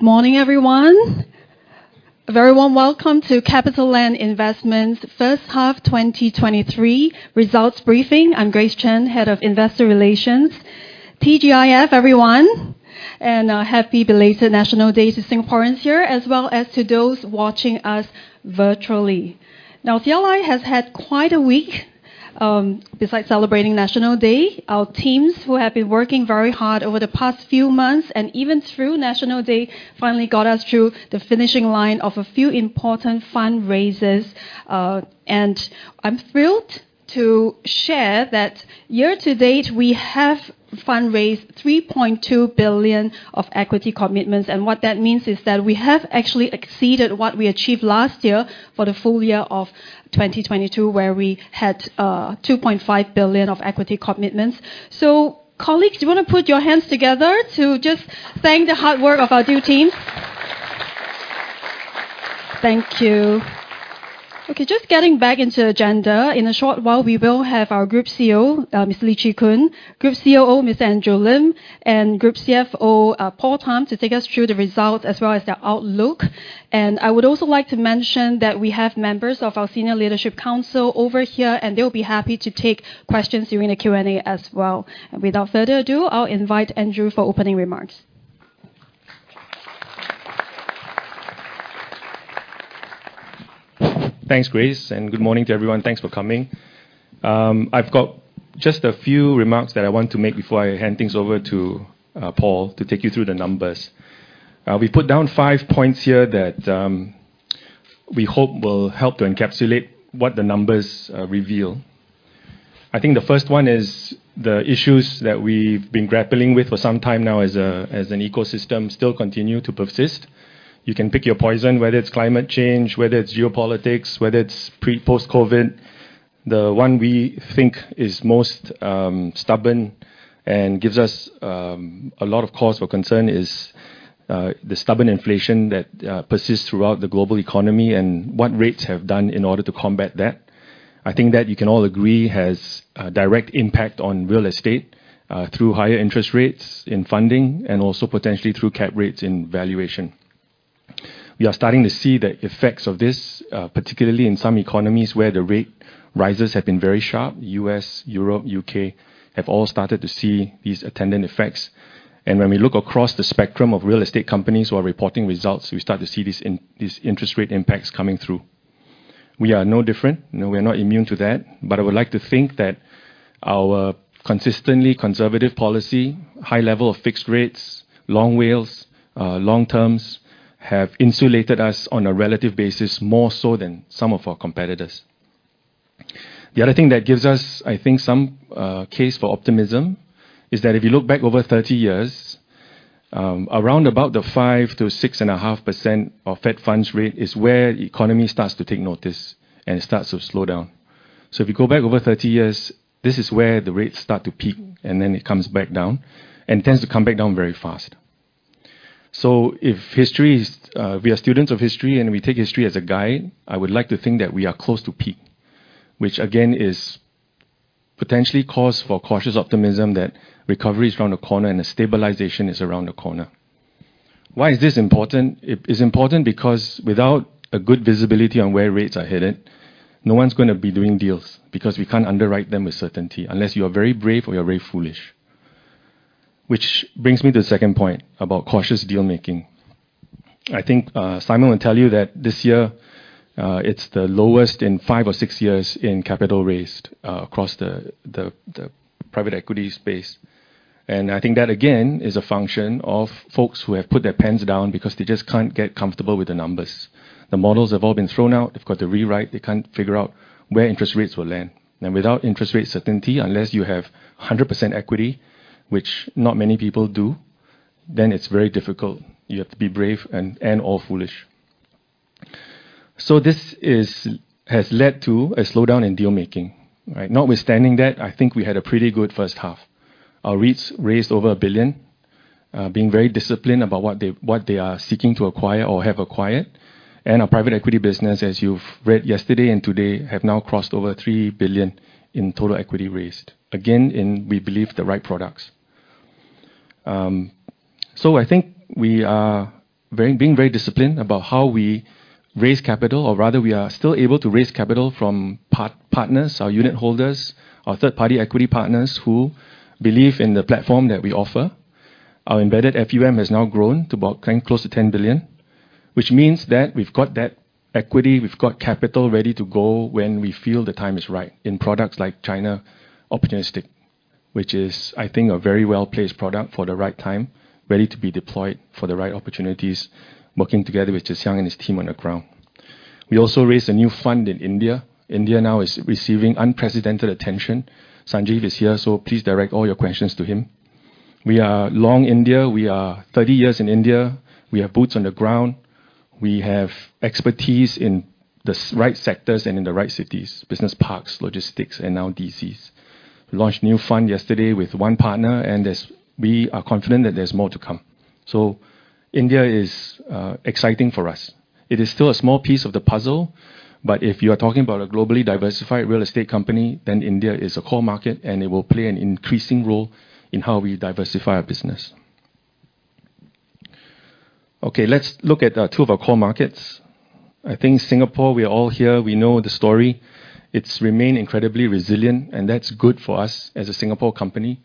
Good morning, everyone. A very warm welcome to CapitaLand Investment's first half 2023 results briefing. I'm Grace Chen, Head of Investor Relations. TGIF, everyone, and happy belated National Day to Singaporeans here, as well as to those watching us virtually. Now, CLI has had quite a week, besides celebrating National Day. Our teams, who have been working very hard over the past few months, and even through National Day, finally got us through the finishing line of a few important fundraisers. I'm thrilled to share that year to date, we have fundraised 3.2 billion of equity commitments. What that means is that we have actually exceeded what we achieved last year for the full year of 2022, where we had 2.5 billion of equity commitments. Colleagues, do you wanna put your hands together to just thank the hard work of our two teams? Thank you. Okay, just getting back into the agenda. In a short while, we will have our Group CEO, Mr. Lee Chee Koon, Group COO, Mr. Andrew Lim, and Group CFO, Mr. Paul Tham, to take us through the results as well as their outlook. I would also like to mention that we have members of our senior leadership council over here, and they'll be happy to take questions during the Q&A as well. Without further ado, I'll invite Andrew for opening remarks. Thanks, Grace, good morning to everyone. Thanks for coming. I've got just a few remarks that I want to make before I hand things over to Paul, to take you through the numbers. We put down five points here that we hope will help to encapsulate what the numbers reveal. I think the first one is the issues that we've been grappling with for some time now as an ecosystem, still continue to persist. You can pick your poison, whether it's climate change, whether it's geopolitics, whether it's post-COVID. The one we think is most stubborn and gives us a lot of cause for concern is the stubborn inflation that persists throughout the global economy and what rates have done in order to combat that. I think that you can all agree, has a direct impact on real estate, through higher interest rates in funding and also potentially through Cap rates in valuation. We are starting to see the effects of this, particularly in some economies where the rate rises have been very sharp. U.S., Europe, U.K., have all started to see these attendant effects. When we look across the spectrum of real estate companies who are reporting results, we start to see these interest rate impacts coming through. We are no different. No, we are not immune to that. I would like to think that our consistently conservative policy, high level of fixed rates, long WALEs, long terms, have insulated us on a relative basis, more so than some of our competitors. The other thing that gives us, I think, some, case for optimism, is that if you look back over 30 years, around about the 5%-6.5% of Fed funds rate is where the economy starts to take notice and starts to slow down. If you go back over 30 years, this is where the rates start to peak, and then it comes back down, and tends to come back down very fast. If history is... we are students of history and we take history as a guide, I would like to think that we are close to peak. Which again, is potentially cause for cautious optimism, that recovery is around the corner and a stabilization is around the corner. Why is this important? It is important because without a good visibility on where rates are headed, no one's gonna be doing deals, because we can't underwrite them with certainty unless you are very brave or you're very foolish. Which brings me to the second point about cautious deal making. I think Simon will tell you that this year, it's the lowest in five or six years in capital raised across the, the, the private equity space. I think that, again, is a function of folks who have put their pens down because they just can't get comfortable with the numbers. The models have all been thrown out. They've got to rewrite. They can't figure out where interest rates will land. Without interest rate certainty, unless you have 100% equity, which not many people do, then it's very difficult. You have to be brave and, and/or foolish. This has led to a slowdown in deal making, right? Notwithstanding that, I think we had a pretty good first half. Our REITs raised over S$1 billion, being very disciplined about what they, what they are seeking to acquire or have acquired. Our private equity business, as you've read yesterday and today, have now crossed over S$3 billion in total equity raised. Again, in we believe, the right products. I think we are very being very disciplined about how we raise capital, or rather, we are still able to raise capital from partners, our unit holders, our third-party equity partners, who believe in the platform that we offer. Our embedded FUM has now grown to about S$10 billion, which means that we've got that equity, we've got capital ready to go when we feel the time is right, in products like China Opportunistic, which is, I think, a very well-placed product for the right time, ready to be deployed for the right opportunities, working together with Jiang and his team on the ground. We also raised a new fund in India. India now is receiving unprecedented attention. Sanjeev is here, so please direct all your questions to him. We are long India. We are 30 years in India. We have boots on the ground. We have expertise in the right sectors and in the right cities, business parks, logistics, and now DCs. We launched a new fund yesterday with one partner, and we are confident that there's more to come. India is exciting for us. It is still a small piece of the puzzle, but if you are talking about a globally diversified real estate company, then India is a core market, and it will play an increasing role in how we diversify our business. Let's look at two of our core markets. I think Singapore, we are all here, we know the story. It's remained incredibly resilient, and that's good for us as a Singapore company.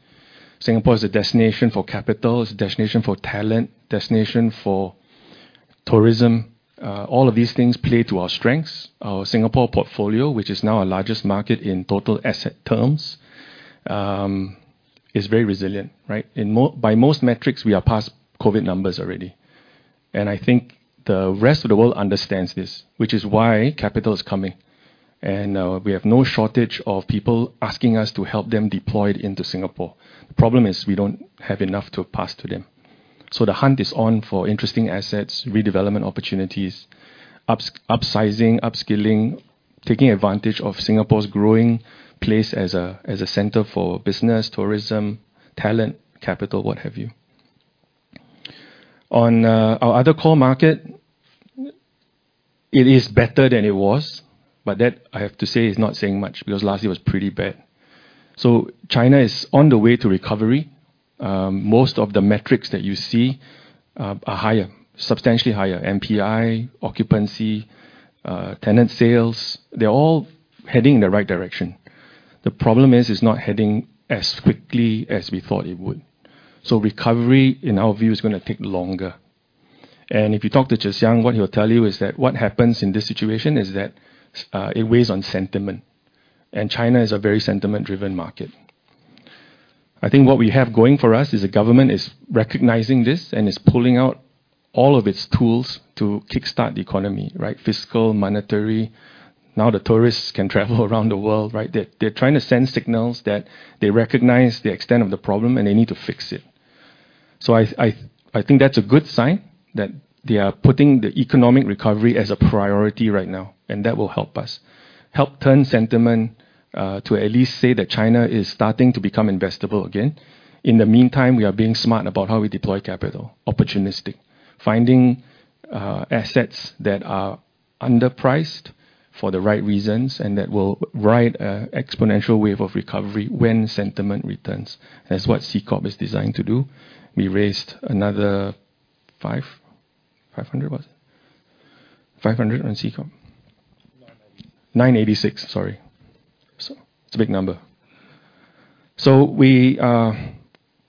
Singapore is a destination for capital, it's a destination for talent, destination for tourism. All of these things play to our strengths. Our Singapore portfolio, which is now our largest market in total asset terms, is very resilient, right? By most metrics, we are past COVID numbers already, and I think the rest of the world understands this, which is why capital is coming. We have no shortage of people asking us to help them deploy into Singapore. The problem is, we don't have enough to pass to them. The hunt is on for interesting assets, redevelopment opportunities, upsizing, upskilling, taking advantage of Singapore's growing place as a, as a center for business, tourism, talent, capital, what have you. On our other core market, it is better than it was, but that, I have to say, is not saying much, because last year was pretty bad. China is on the way to recovery. Most of the metrics that you see are higher, substantially higher. NPI, occupancy, tenant sales, they're all heading in the right direction. The problem is, it's not heading as quickly as we thought it would. Recovery, in our view, is gonna take longer. If you talk to Tze Shyang, what he'll tell you is that it weighs on sentiment, and China is a very sentiment-driven market. I think what we have going for us is the government is recognizing this, and is pulling out all of its tools to kickstart the economy, right? Fiscal, monetary, now the tourists can travel around the world, right? They're, they're trying to send signals that they recognize the extent of the problem, and they need to fix it. I, I, I think that's a good sign that they are putting the economic recovery as a priority right now, and that will help us. Help turn sentiment to at least say that China is starting to become investable again. In the meantime, we are being smart about how we deploy capital, opportunistic. Finding, assets that are underpriced for the right reasons, and that will ride a exponential wave of recovery when sentiment returns. That's what CCOP is designed to do. We raised another five, 500 was it? 500 on CCOP. SGD 980. 986, sorry. It's a big number. We are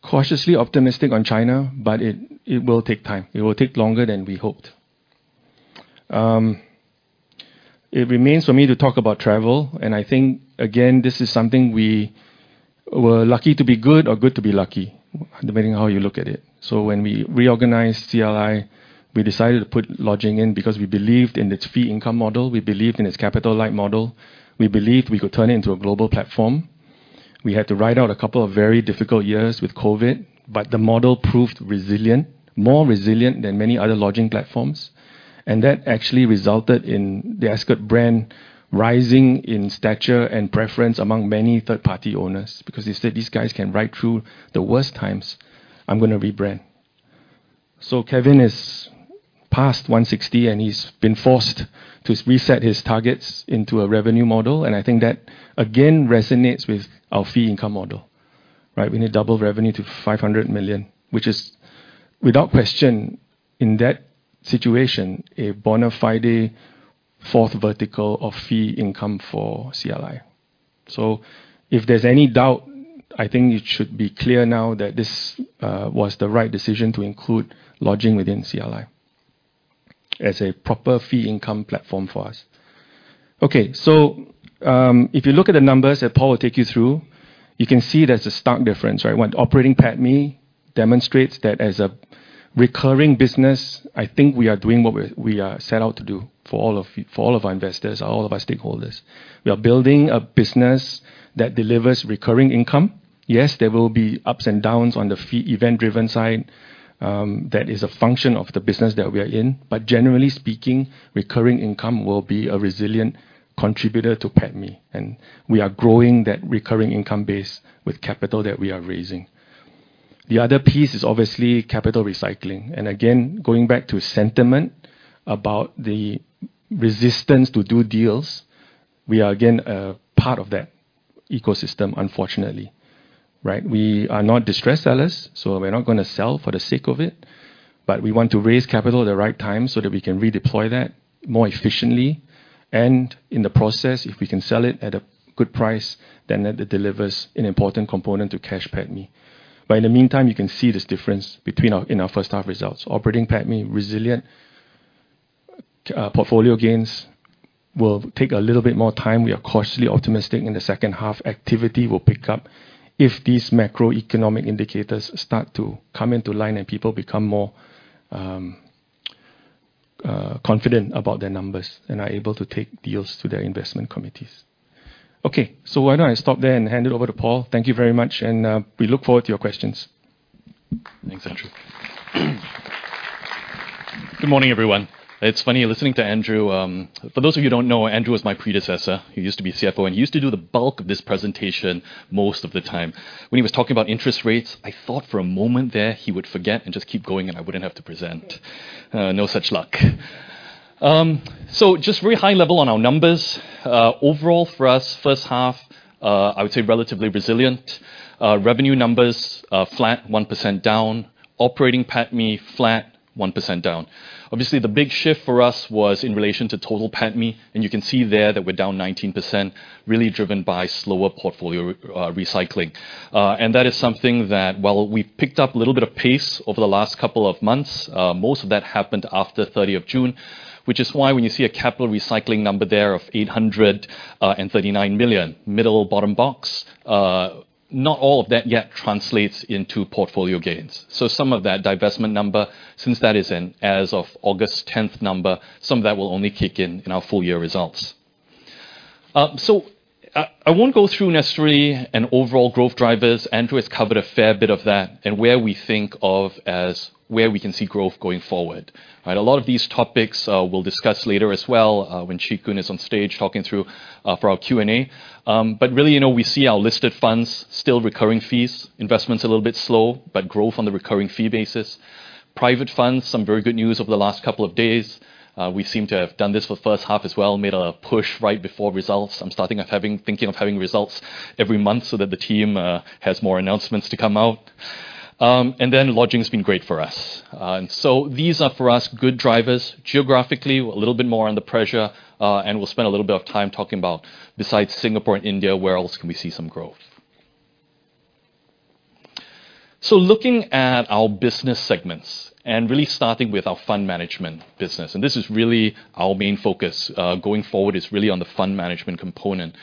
cautiously optimistic on China, but it will take time. It will take longer than we hoped. It remains for me to talk about travel, and I think, again, this is something we were lucky to be good or good to be lucky, depending on how you look at it. When we reorganized CLI, we decided to put lodging in because we believed in its fee income model, we believed in its capital-light model, we believed we could turn it into a global platform. We had to ride out a couple of very difficult years with COVID, but the model proved resilient, more resilient than many other lodging platforms. That actually resulted in the Ascott brand rising in stature and preference among many third-party owners, because they said, "These guys can ride through the worst times. I'm gonna rebrand." Kevin is past 160, and he's been forced to reset his targets into a revenue model, and I think that, again, resonates with our fee income model, right? We need to double revenue to 500 million, which is, without question, in that situation, a bona fide fourth vertical of fee income for CLI. If there's any doubt, I think it should be clear now that this was the right decision to include lodging within CLI as a proper fee income platform for us. If you look at the numbers that Paul will take you through, you can see there's a stark difference, right? When operating PATMI demonstrates that as a recurring business, I think we are doing what we set out to do for all of our investors, all of our stakeholders. We are building a business that delivers recurring income. Yes, there will be ups and downs on the fee event-driven side, that is a function of the business that we are in. Generally speaking, recurring income will be a resilient contributor to PATMI, and we are growing that recurring income base with capital that we are raising. The other piece is obviously capital recycling. Again, going back to sentiment about the resistance to do deals, we are, again, a part of that ecosystem, unfortunately, right? We are not distressed sellers, so we're not gonna sell for the sake of it, but we want to raise capital at the right time so that we can redeploy that more efficiently. In the process, if we can sell it at a good price, then that delivers an important component to cash PATMI. In the meantime, you can see this difference between our-- in our first half results. Operating PATMI, resilient, portfolio gains will take a little bit more time. We are cautiously optimistic in the second half. Activity will pick up if these macroeconomic indicators start to come into line and people become more confident about their numbers and are able to take deals to their investment committees. Why don't I stop there and hand it over to Paul? Thank you very much, and we look forward to your questions. Thanks, Andrew. Good morning, everyone. It's funny listening to Andrew. For those of you who don't know, Andrew is my predecessor. He used to be CFO, and he used to do the bulk of this presentation most of the time. When he was talking about interest rates, I thought for a moment there, he would forget and just keep going, and I wouldn't have to present. No such luck. Just very high level on our numbers. Overall for us, first half, I would say relatively resilient. Revenue numbers are flat, 1% down. Operating PATMI, flat, 1% down. Obviously, the big shift for us was in relation to total PATMI, and you can see there that we're down 19%, really driven by slower portfolio recycling. That is something that while we've picked up a little bit of pace over the last couple of months, most of that happened after 30 of June, which is why when you see a capital recycling number there of 839 million, middle bottom box, not all of that yet translates into portfolio gains. Some of that divestment number, since that is in as of August 10th number, some of that will only kick in in our full year results. I won't go through necessary and overall growth drivers. Andrew has covered a fair bit of that, and where we think of as where we can see growth going forward, right? A lot of these topics, we'll discuss later as well, when Chee Koon is on stage talking through, for our Q&A. Really, you know, we see our listed funds, still recurring fees, investments a little bit slow, but growth on the recurring fee basis. Private funds, some very good news over the last couple of days. We seem to have done this for the first half as well, made a push right before results. I'm starting of thinking of having results every month so that the team has more announcements to come out. Then lodging has been great for us. These are, for us, good drivers. Geographically, a little bit more on the pressure, and we'll spend a little bit of time talking about besides Singapore and India, where else can we see some growth? Looking at our business segments and really starting with our fund management business, and this is really our main focus. Going forward is really on the fund management component.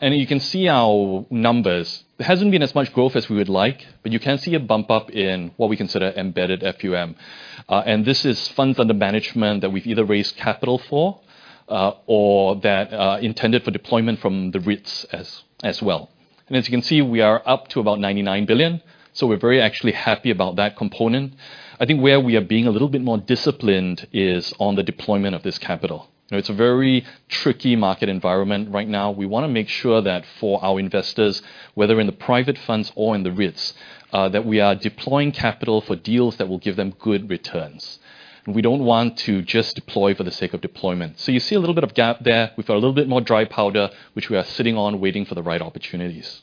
You can see our numbers. There hasn't been as much growth as we would like, but you can see a bump up in what we consider embedded FUM. This is funds under management that we've either raised capital for, or that, intended for deployment from the REITs as, as well. As you can see, we are up to about 99 billion, so we're very actually happy about that component. I think where we are being a little bit more disciplined is on the deployment of this capital. You know, it's a very tricky market environment right now. We wanna make sure that for our investors, whether in the private funds or in the REITs, that we are deploying capital for deals that will give them good returns. We don't want to just deploy for the sake of deployment. You see a little bit of gap there. We've got a little bit more dry powder, which we are sitting on, waiting for the right opportunities.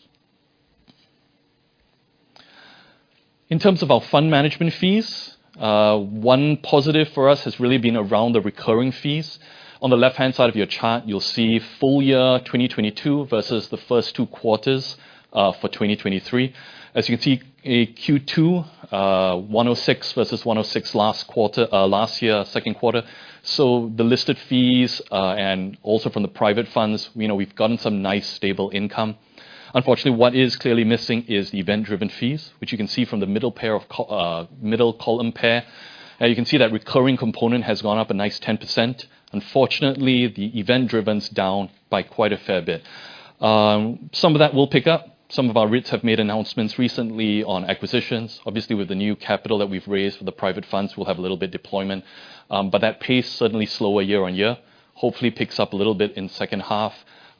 In terms of our fund management fees, one positive for us has really been around the recurring fees. On the left-hand side of your chart, you'll see full year 2022 versus the first 2 quarters for 2023. As you can see in Q2, 106 versus 106 last quarter, last year, 2nd quarter. The listed fees, and also from the private funds, you know, we've gotten some nice, stable income. Unfortunately, what is clearly missing is the event-driven fees, which you can see from the middle pair of middle column pair. You can see that recurring component has gone up a nice 10%. Unfortunately, the event-driven's down by quite a fair bit. Some of that will pick up. Some of our REITs have made announcements recently on acquisitions. Obviously, with the new capital that we've raised for the private funds, we'll have a little bit deployment, but that pace certainly slower year-on-year. Hopefully, picks up a little bit in second half,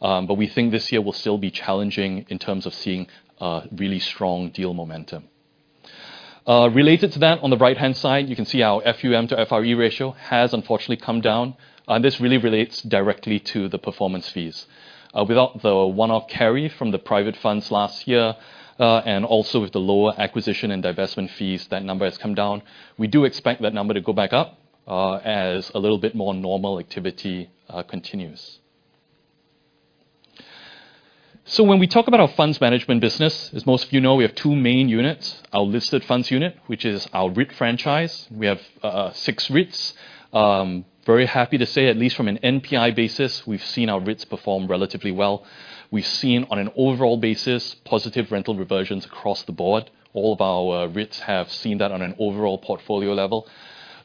but we think this year will still be challenging in terms of seeing really strong deal momentum. Related to that, on the right-hand side, you can see our FUM to FRE ratio has unfortunately come down. This really relates directly to the performance fees. Without the one-off carry from the private funds last year, and also with the lower acquisition and divestment fees, that number has come down. We do expect that number to go back up, as a little bit more normal activity continues. When we talk about our funds management business, as most of you know, we have two main units: our listed funds unit, which is our REIT franchise. We have 6 REITs. Very happy to say, at least from an NPI basis, we've seen our REITs perform relatively well. We've seen, on an overall basis, positive rental reversions across the board. All of our REITs have seen that on an overall portfolio level.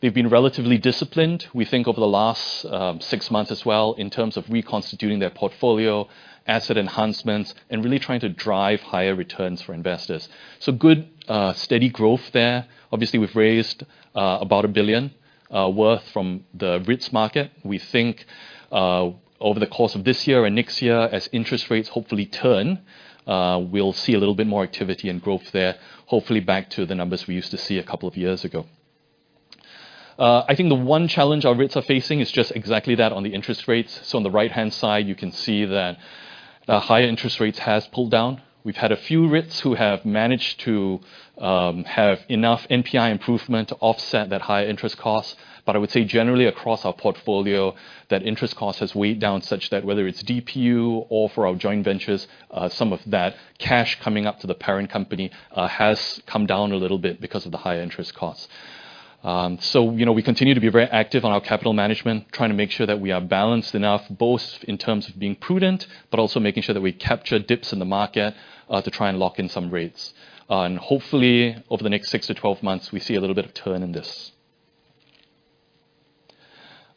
They've been relatively disciplined. We think over the last 6 months as well, in terms of reconstituting their portfolio, asset enhancements, and really trying to drive higher returns for investors. Good, steady growth there. Obviously, we've raised about 1 billion worth from the REITs market. We think, over the course of this year and next year, as interest rates hopefully turn, we'll see a little bit more activity and growth there, hopefully back to the numbers we used to see a couple of years ago. I think the one challenge our REITs are facing is just exactly that on the interest rates. On the right-hand side, you can see that higher interest rates has pulled down. We've had a few REITs who have managed to have enough NPI improvement to offset that higher interest costs. I would say generally across our portfolio, that interest cost has weighed down such that whether it's DPU or for our joint ventures, some of that cash coming up to the parent company, has come down a little bit because of the high interest costs. You know, we continue to be very active on our capital management, trying to make sure that we are balanced enough, both in terms of being prudent, but also making sure that we capture dips in the market, to try and lock in some rates. Hopefully, over the next 6-12 months, we see a little bit of turn in this.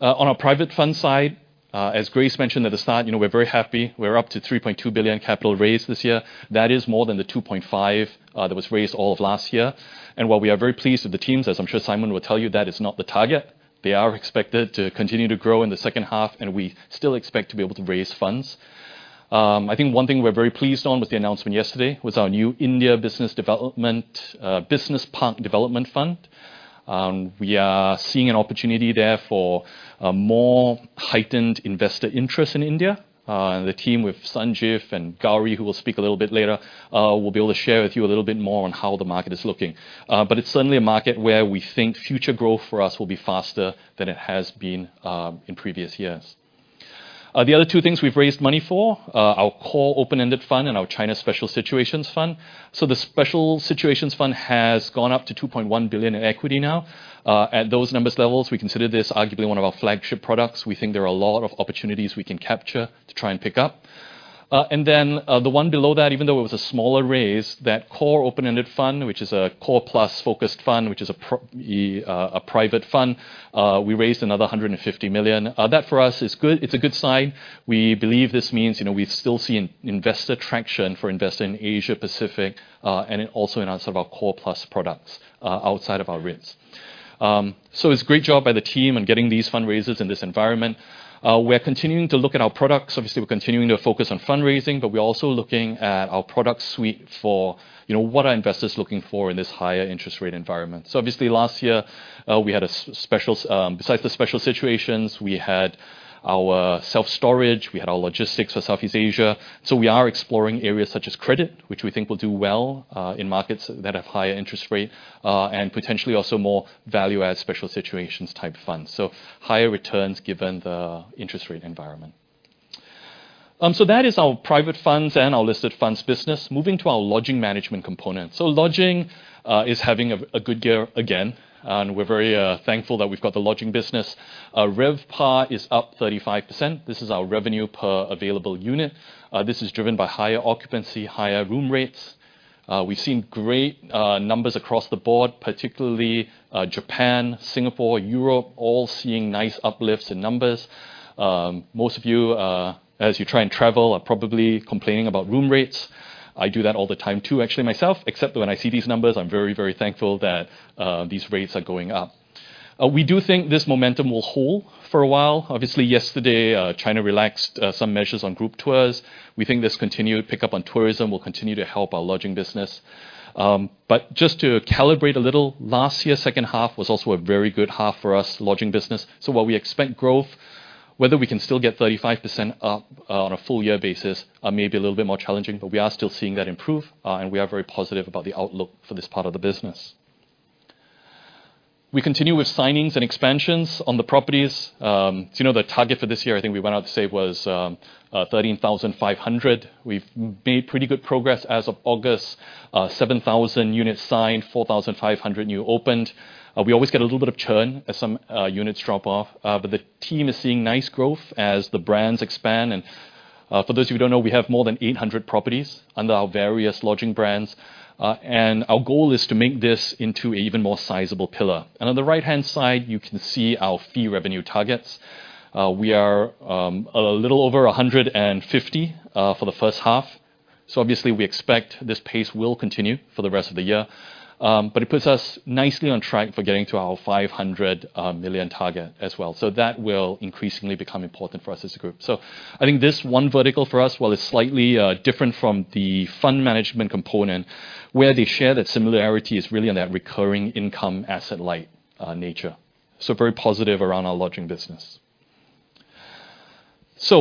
On our private fund side, as Grace mentioned at the start, you know, we're very happy. We're up to S$3.2 billion capital raised this year. That is more than the S$2.5 billion, that was raised all of last year. While we are very pleased with the teams, as I'm sure Simon will tell you, that is not the target. They are expected to continue to grow in the second half, and we still expect to be able to raise funds. I think one thing we're very pleased on with the announcement yesterday, was our new India Business Development, Business Park Development Fund. We are seeing an opportunity there for a more heightened investor interest in India. The team with Sanjeev and Gauri Magesh, who will speak a little bit later, will be able to share with you a little bit more on how the market is looking. It's certainly a market where we think future growth for us will be faster than it has been, in previous years. The other two things we've raised money for, our core open-ended fund and our China Special Situations Fund. The Special Situations Fund has gone up to 2.1 billion in equity now. At those numbers levels, we consider this arguably one of our flagship products. We think there are a lot of opportunities we can capture to try and pick up. Then, the one below that, even though it was a smaller raise, that core open-ended fund, which is a core plus focused fund, which is a private fund, we raised another 150 million. That for us is good. It's a good sign. We believe this means, you know, we still see in- investor traction for investing in Asia Pacific, and then also in our sort of our core plus products, outside of our REITs. It's a great job by the team in getting these fundraisers in this environment. We're continuing to look at our products. Obviously, we're continuing to focus on fundraising. We're also looking at our product suite for, you know, what are investors looking for in this higher interest rate environment? Obviously, last year, besides the special situations, we had our self-storage, we had our logistics for Southeast Asia. We are exploring areas such as credit, which we think will do well in markets that have higher interest rate and potentially also more value-add special situations type funds. Higher returns, given the interest rate environment. That is our private funds and our listed funds business. Moving to our lodging management component. Lodging is having a good year again, and we're very thankful that we've got the lodging business. Our RevPAU is up 35%. This is our Revenue Per Available Unit. This is driven by higher occupancy, higher room rates. We've seen great numbers across the board, particularly Japan, Singapore, Europe, all seeing nice uplifts in numbers. Most of you, as you try and travel, are probably complaining about room rates. I do that all the time, too, actually, myself, except that when I see these numbers, I'm very, very thankful that these rates are going up. We do think this momentum will hold for a while. Obviously, yesterday, China relaxed some measures on group tours. We think this continued pick up on tourism will continue to help our lodging business. But just to calibrate a little, last year, second half, was also a very good half for us, lodging business. While we expect growth, whether we can still get 35% up on a full year basis, may be a little bit more challenging, but we are still seeing that improve, and we are very positive about the outlook for this part of the business. We continue with signings and expansions on the properties. You know, the target for this year, I think we went out to say was 13,500. We've made pretty good progress as of August, 7,000 units signed, 4,500 new opened. We always get a little bit of churn as some units drop off, but the team is seeing nice growth as the brands expand. For those who don't know, we have more than 800 properties under our various lodging brands, and our goal is to make this into an even more sizable pillar. On the right-hand side, you can see our fee revenue targets. We are a little over 150 for the first half. Obviously, we expect this pace will continue for the rest of the year, but it puts us nicely on track for getting to our 500 million target as well. That will increasingly become important for us as a group. I think this one vertical for us, while it's slightly different from the fund management component, where they share that similarity is really on that recurring income, asset light nature. So very positive around our lodging business.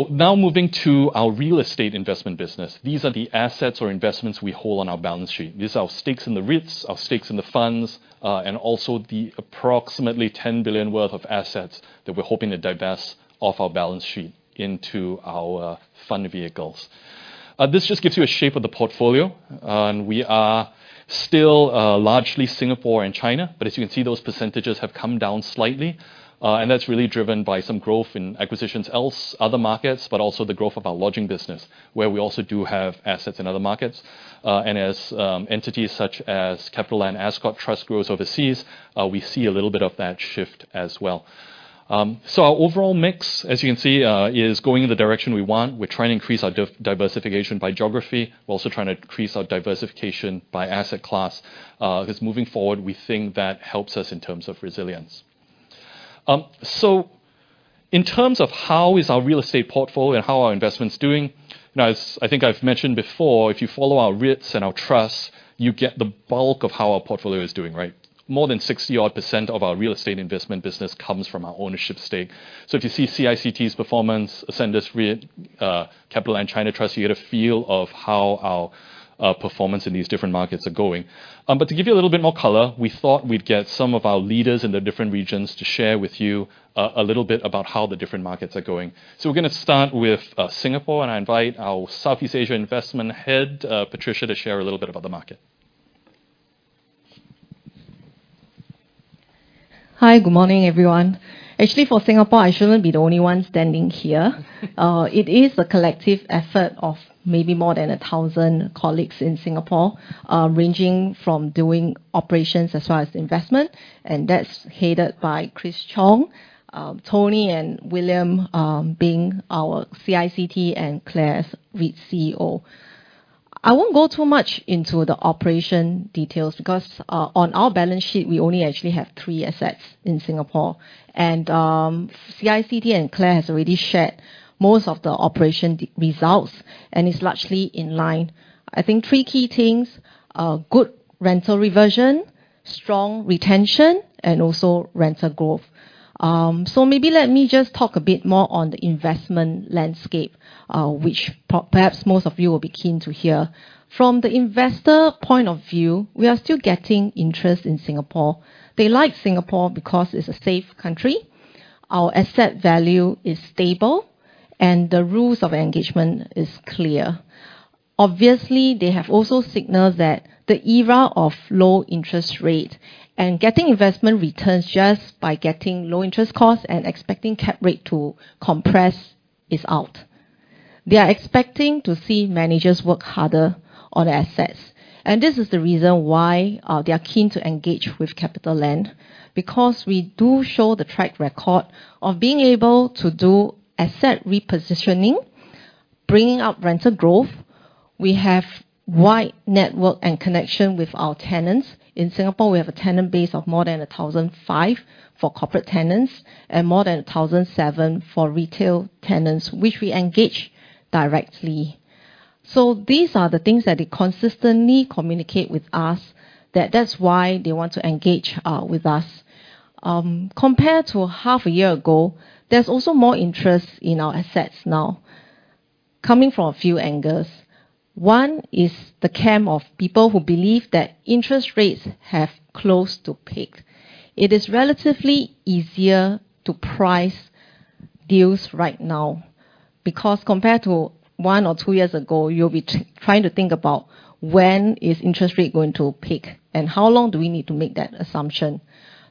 Now moving to our real estate investment business. These are the assets or investments we hold on our balance sheet. These are our stakes in the REITs, our stakes in the funds, and also the approximately 10 billion worth of assets that we're hoping to divest off our balance sheet into our fund vehicles. This just gives you a shape of the portfolio, we are still largely Singapore and China, but as you can see, those percentages have come down slightly, and that's really driven by some growth in acquisitions other markets, but also the growth of our lodging business, where we also do have assets in other markets. As entities such as Keppel and Ascott Trust grows overseas, we see a little bit of that shift as well. Our overall mix, as you can see, is going in the direction we want. We're trying to increase our diversification by geography. We're also trying to increase our diversification by asset class, because moving forward, we think that helps us in terms of resilience. In terms of how is our real estate portfolio and how are our investments doing? Now, as I think I've mentioned before, if you follow our REITs and our trusts, you get the bulk of how our portfolio is doing, right? More than 60% odd of our real estate investment business comes from our ownership stake. If you see CICT's performance, Ascendas REIT, Keppel and China Trust, you get a feel of how our performance in these different markets are going. To give you a little bit more color, we thought we'd get some of our leaders in the different regions to share with you, a little bit about how the different markets are going. We're gonna start with Singapore, and I invite our Southeast Asia investment head, Patricia, to share a little bit about the market. Hi, good morning, everyone. Actually, for Singapore, I shouldn't be the only one standing here. It is a collective effort of maybe more than 1,000 colleagues in Singapore, ranging from doing operations as far as investment, and that's headed by Chris Chong, Tony and William Tay, being our CICT and CLAR REIT CEO. I won't go too much into the operation details because on our balance sheet, we only actually have 3 assets in Singapore. CICT and CLAR has already shared most of the operation results, and it's largely in line. I think 3 key things are good rental reversion, strong retention, and also rental growth. So maybe let me just talk a bit more on the investment landscape, which perhaps most of you will be keen to hear. From the investor point of view, we are still getting interest in Singapore. They like Singapore because it's a safe country, our asset value is stable, and the rules of engagement is clear. Obviously, they have also signaled that the era of low interest rate and getting investment returns just by getting low interest costs and expecting Cap rate to compress is out. They are expecting to see managers work harder on their assets, and this is the reason why they are keen to engage with CapitaLand, because we do show the track record of being able to do asset repositioning, bringing up rental growth. We have wide network and connection with our tenants. In Singapore, we have a tenant base of more than 1,005 for corporate tenants and more than 1,007 for retail tenants, which we engage directly. These are the things that they consistently communicate with us, that that's why they want to engage with us. Compared to half a year ago, there's also more interest in our assets now, coming from a few angles. One is the camp of people who believe that interest rates have close to peak. It is relatively easier to price deals right now, because compared to one or two years ago, you'll be trying to think about when is interest rate going to peak and how long do we need to make that assumption.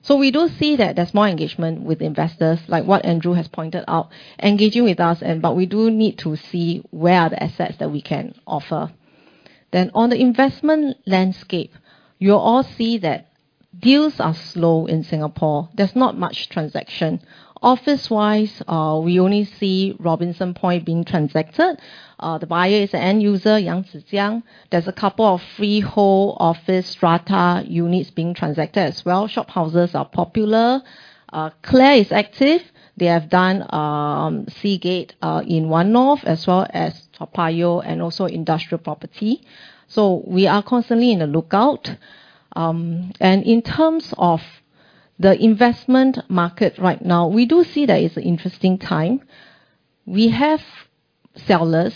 We do see that there's more engagement with investors, like what Andrew has pointed out, engaging with us. We do need to see where are the assets that we can offer. On the investment landscape, you'll all see that deals are slow in Singapore. There's not much transaction. Office-wise, we only see Robinson Point being transacted. The buyer is the end user, Yang Zi Jiang. There's 2 freehold office strata units being transacted as well. Shophouses are popular. CLAR is active. They have done Seagate in One-North, as well as Toa Payoh and also industrial property. So we are constantly in the lookout. And in terms of the investment market right now, we do see that it's an interesting time. We have sellers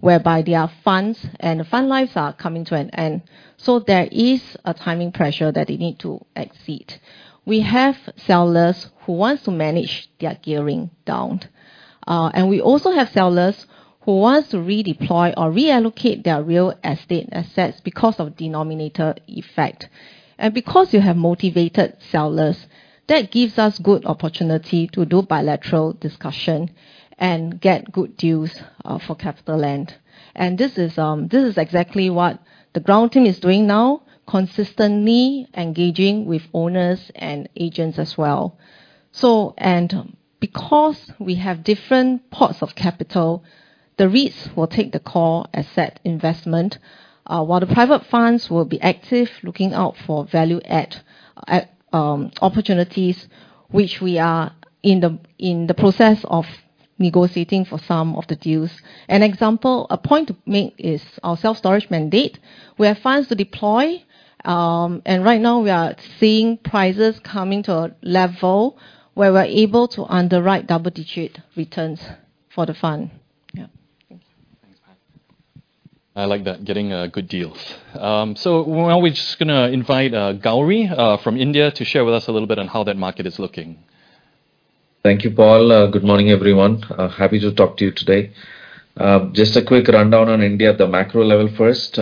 whereby there are funds and the fund lives are coming to an end, so there is a timing pressure that they need to exit. We have sellers who wants to manage their Gearing down. And we also have sellers who wants to redeploy or reallocate their real estate assets because of Denominator effect. Because you have motivated sellers, that gives us good opportunity to do bilateral discussion and get good deals for CapitaLand. This is exactly what the ground team is doing now, consistently engaging with owners and agents as well. Because we have different pots of capital, the REITs will take the core asset investment, while the private funds will be active, looking out for value at opportunities, which we are in the process of negotiating for some of the deals. An example, a point to make is our self-storage mandate. We have funds to deploy, right now we are seeing prices coming to a level where we're able to underwrite double-digit returns for the fund. Yeah. Thanks. Thanks, Patricia. I like that, getting, good deals. Now we're just gonna invite, Gauri, from India to share with us a little bit on how that market is looking. Thank you, Paul. Good morning, everyone. Happy to talk to you today. Just a quick rundown on India at the macro level first.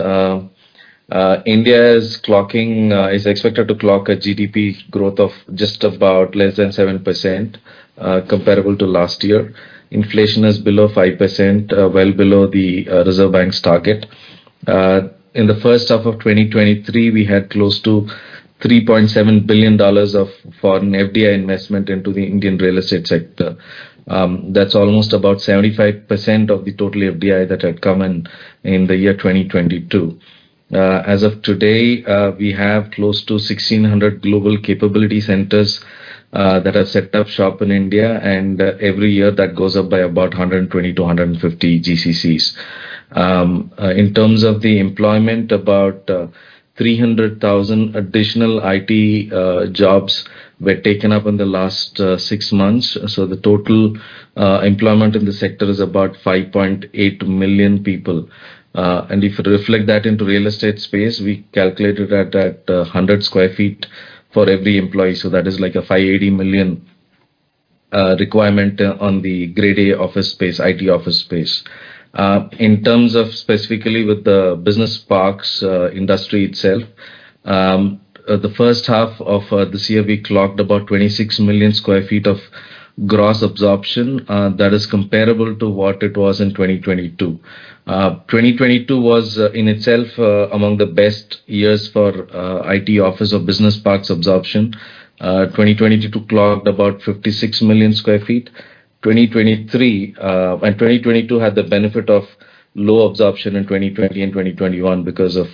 India is clocking... is expected to clock a GDP growth of just about less than 7%, comparable to last year. Inflation is below 5%, well below the Reserve Bank's target. In the first half of 2023, we had close to $3.7 billion of foreign FDI investment into the Indian real estate sector. That's almost about 75% of the total FDI that had come in, in the year 2022. As of today, we have close to 1,600 global capability centers, that have set up shop in India, and every year, that goes up by about 120-150 GCCs. In terms of the employment, about 300,000 additional IT jobs were taken up in the last six months. The total employment in the sector is about 5.8 million people. And if you reflect that into real estate space, we calculated that at 100 sq ft for every employee, so that is like a 580 million requirement on the Grade A office space, IT office space. In terms of specifically with the business parks industry itself, the first half of this year, we clocked about 26 million sq ft of gross absorption. That is comparable to what it was in 2022. 2022 was in itself among the best years for IT office or business parks absorption. 2022 clocked about 56 million sq ft. 2023, 2022 had the benefit of low absorption in 2020 and 2021 because of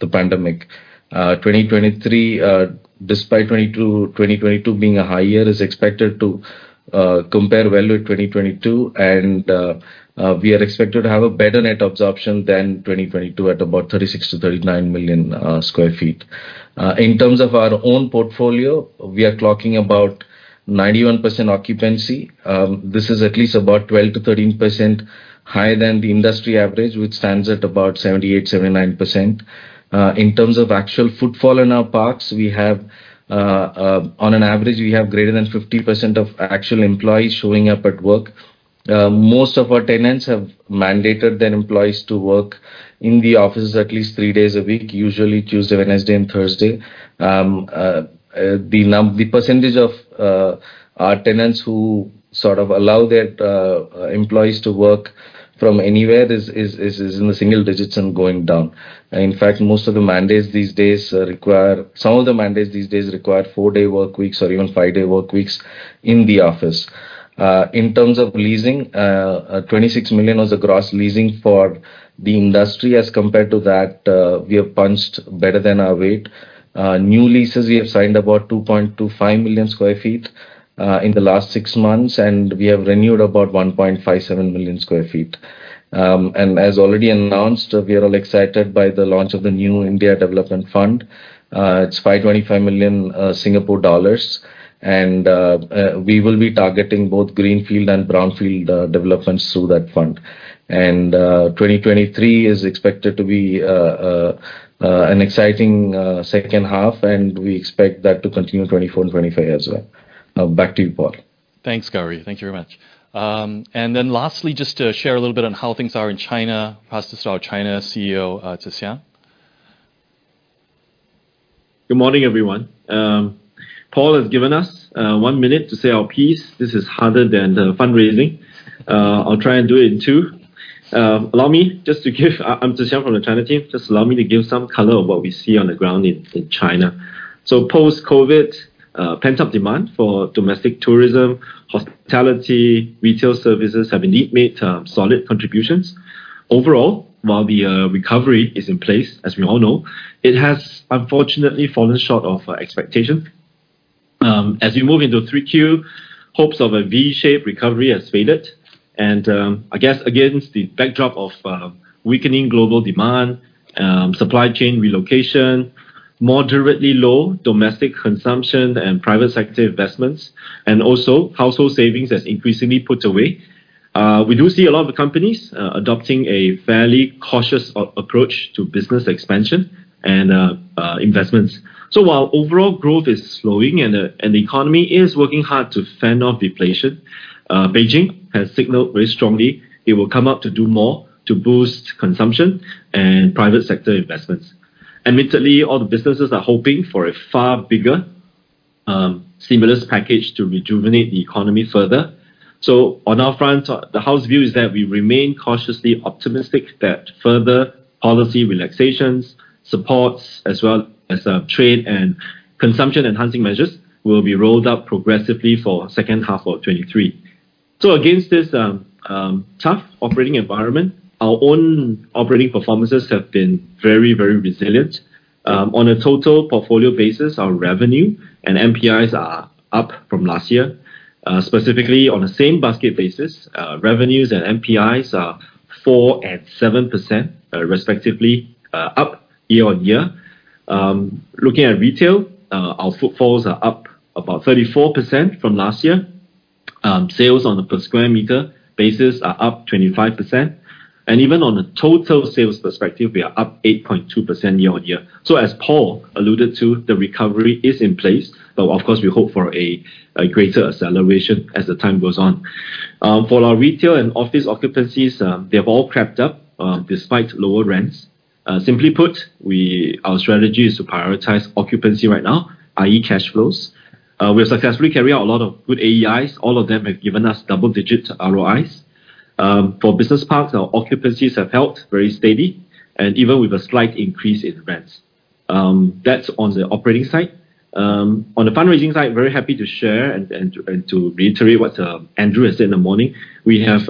the pandemic. 2023, despite 2022 being a high year, is expected to compare well with 2022, we are expected to have a better net absorption than 2022 at about 36 million-39 million sq ft. In terms of our own portfolio, we are clocking about 91% occupancy. This is at least about 12%-13% higher than the industry average, which stands at about 78%-79%. In terms of actual footfall in our parks, we have, on an average, we have greater than 50% of actual employees showing up at work. Most of our tenants have mandated their employees to work in the office at least three days a week, usually Tuesday, Wednesday, and Thursday. The percentage of our tenants who sort of allow their employees to work from anywhere is in the single digits and going down. In fact, most of the mandates these days require some of the mandates these days require four-day workweeks or even five-day workweeks in the office. In terms of leasing, 26 million was the gross leasing for the industry. As compared to that, we have punched better than our weight. New leases, we have signed about 2.25 million sq ft in the last six months, and we have renewed about 1.57 million sq ft. As already announced, we are all excited by the launch of the new India Development Fund. It's S$525 million, and we will be targeting both greenfield and brownfield developments through that fund. 2023 is expected to be an exciting second half, and we expect that to continue in 2024 and 2025 as well. Now back to you, Paul. Thanks, Gauri. Thank you very much. Then lastly, just to share a little bit on how things are in China, pass this to our China CEO, Tze Shyang. Good morning, everyone. Paul has given us 1 minute to say our piece. This is harder than the fundraising. I'll try and do it in 2. Allow me just to give. I'm Tze Shyang from the China team. Just allow me to give some color of what we see on the ground in China. post-COVID, pent-up demand for domestic tourism, hospitality, retail services have indeed made solid contributions. Overall, while the recovery is in place, as we all know, it has unfortunately fallen short of expectation. As we move into 3Q, hopes of a V-shaped recovery has faded. I guess against the backdrop of weakening global demand, supply chain relocation, moderately low domestic consumption and private sector investments, and also household savings has increasingly put away. We do see a lot of the companies adopting a fairly cautious a-approach to business expansion and investments. While overall growth is slowing and the, and the economy is working hard to fend off deflation, Beijing has signaled very strongly it will come up to do more to boost consumption and private sector investments. Admittedly, all the businesses are hoping for a far bigger stimulus package to rejuvenate the economy further. On our front, the house view is that we remain cautiously optimistic that further policy relaxations, supports, as well as trade and consumption-enhancing measures will be rolled out progressively for second half of 23. Against this tough operating environment, our own operating performances have been very, very resilient. On a total portfolio basis, our revenue and NPIs are up from last year. Specifically, on a same basket basis, revenues and NPIs are 4% and 7%, respectively, up year-on-year. Looking at retail, our footfalls are up about 34% from last year. Sales on a per square meter basis are up 25%. Even on a total sales perspective, we are up 8.2% year-on-year. As Paul alluded to, the recovery is in place, but of course, we hope for a greater acceleration as the time goes on. For our retail and office occupancies, they have all crept up despite lower rents. Simply put, our strategy is to prioritize occupancy right now, i.e., cash flows. We successfully carry out a lot of good AEIs. All of them have given us double-digit ROIs. For business parks, our occupancies have held very steady and even with a slight increase in rents. That's on the operating side. On the fundraising side, very happy to share and, and, and to reiterate what Andrew has said in the morning. We have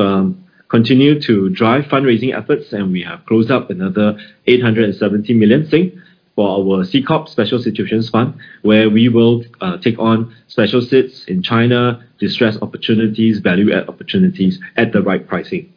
continued to drive fundraising efforts, and we have closed up another S$870 million for our CCOP Special Situations Fund, where we will take on special sits in China, distressed opportunities, value add opportunities at the right pricing.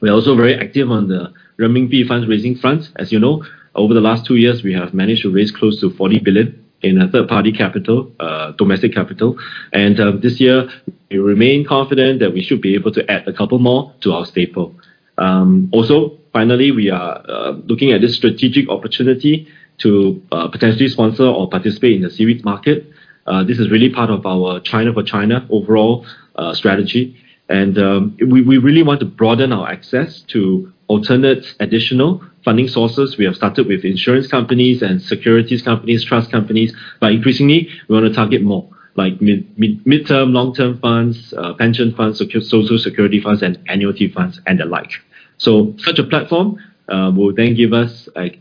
We are also very active on the renminbi fundraising front. As you know, over the last 2 years, we have managed to raise close to S$40 billion in a third-party capital, domestic capital. This year, we remain confident that we should be able to add a couple more to our staple. Also, finally, we are looking at this strategic opportunity to potentially sponsor or participate in the C-REIT market. This is really part of our China for China overall strategy. We, we really want to broaden our access to alternate additional funding sources. We have started with insurance companies and securities companies, trust companies, but increasingly, we want to target more, like mid, mid, midterm, long-term funds, pension funds, social security funds, and annuity funds, and the like. Such a platform will then give us, like,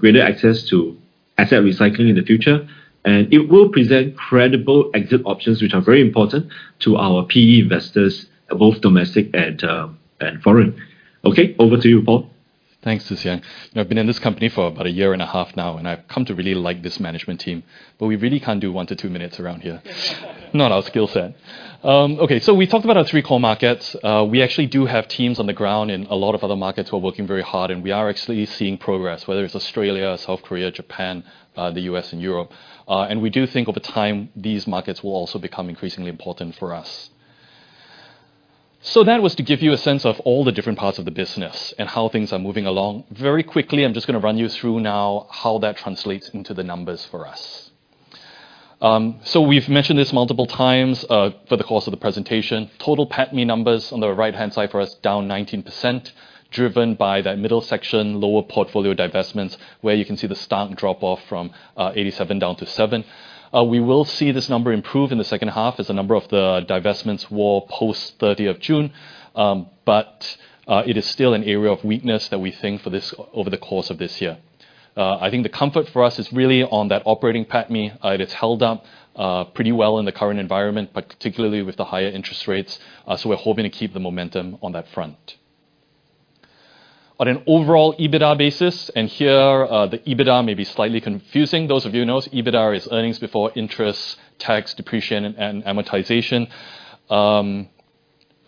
greater access to-... asset recycling in the future, and it will present credible exit options, which are very important to our PE investors, both domestic and foreign. Over to you, Paul Tham. Thanks, Tze Shyang. I've been in this company for about a year and a half now, and I've come to really like this management team, but we really can't do 1-2 minutes around here. Not our skill set. Okay, so we talked about our three core markets. We actually do have teams on the ground in a lot of other markets who are working very hard, and we are actually seeing progress, whether it's Australia, South Korea, Japan, the U.S., and Europe. And we do think over time, these markets will also become increasingly important for us. That was to give you a sense of all the different parts of the business and how things are moving along. Very quickly, I'm just gonna run you through now how that translates into the numbers for us. We've mentioned this multiple times for the course of the presentation. Total PATMI numbers on the right-hand side for us, down 19%, driven by that middle section, lower portfolio divestments, where you can see the stark drop off from 87 down to 7. We will see this number improve in the second half as a number of the divestments will post 30th of June. It is still an area of weakness that we think for this over the course of this year. I think the comfort for us is really on that operating PATMI. It's held up pretty well in the current environment, but particularly with the higher interest rates. We're hoping to keep the momentum on that front. On an overall EBITDA basis, here, the EBITDA may be slightly confusing. Those of you who know, EBITDA is earnings before interest, tax, depreciation, and amortization.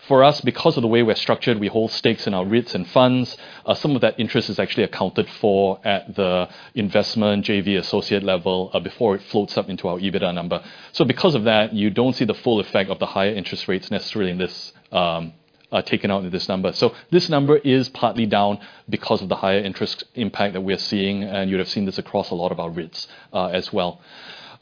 For us, because of the way we're structured, we hold stakes in our REITs and funds. Some of that interest is actually accounted for at the investment JV associate level, before it floats up into our EBITDA number. Because of that, you don't see the full effect of the higher interest rates necessarily in this, taken out in this number. This number is partly down because of the higher interest impact that we are seeing, and you'd have seen this across a lot of our REITs as well.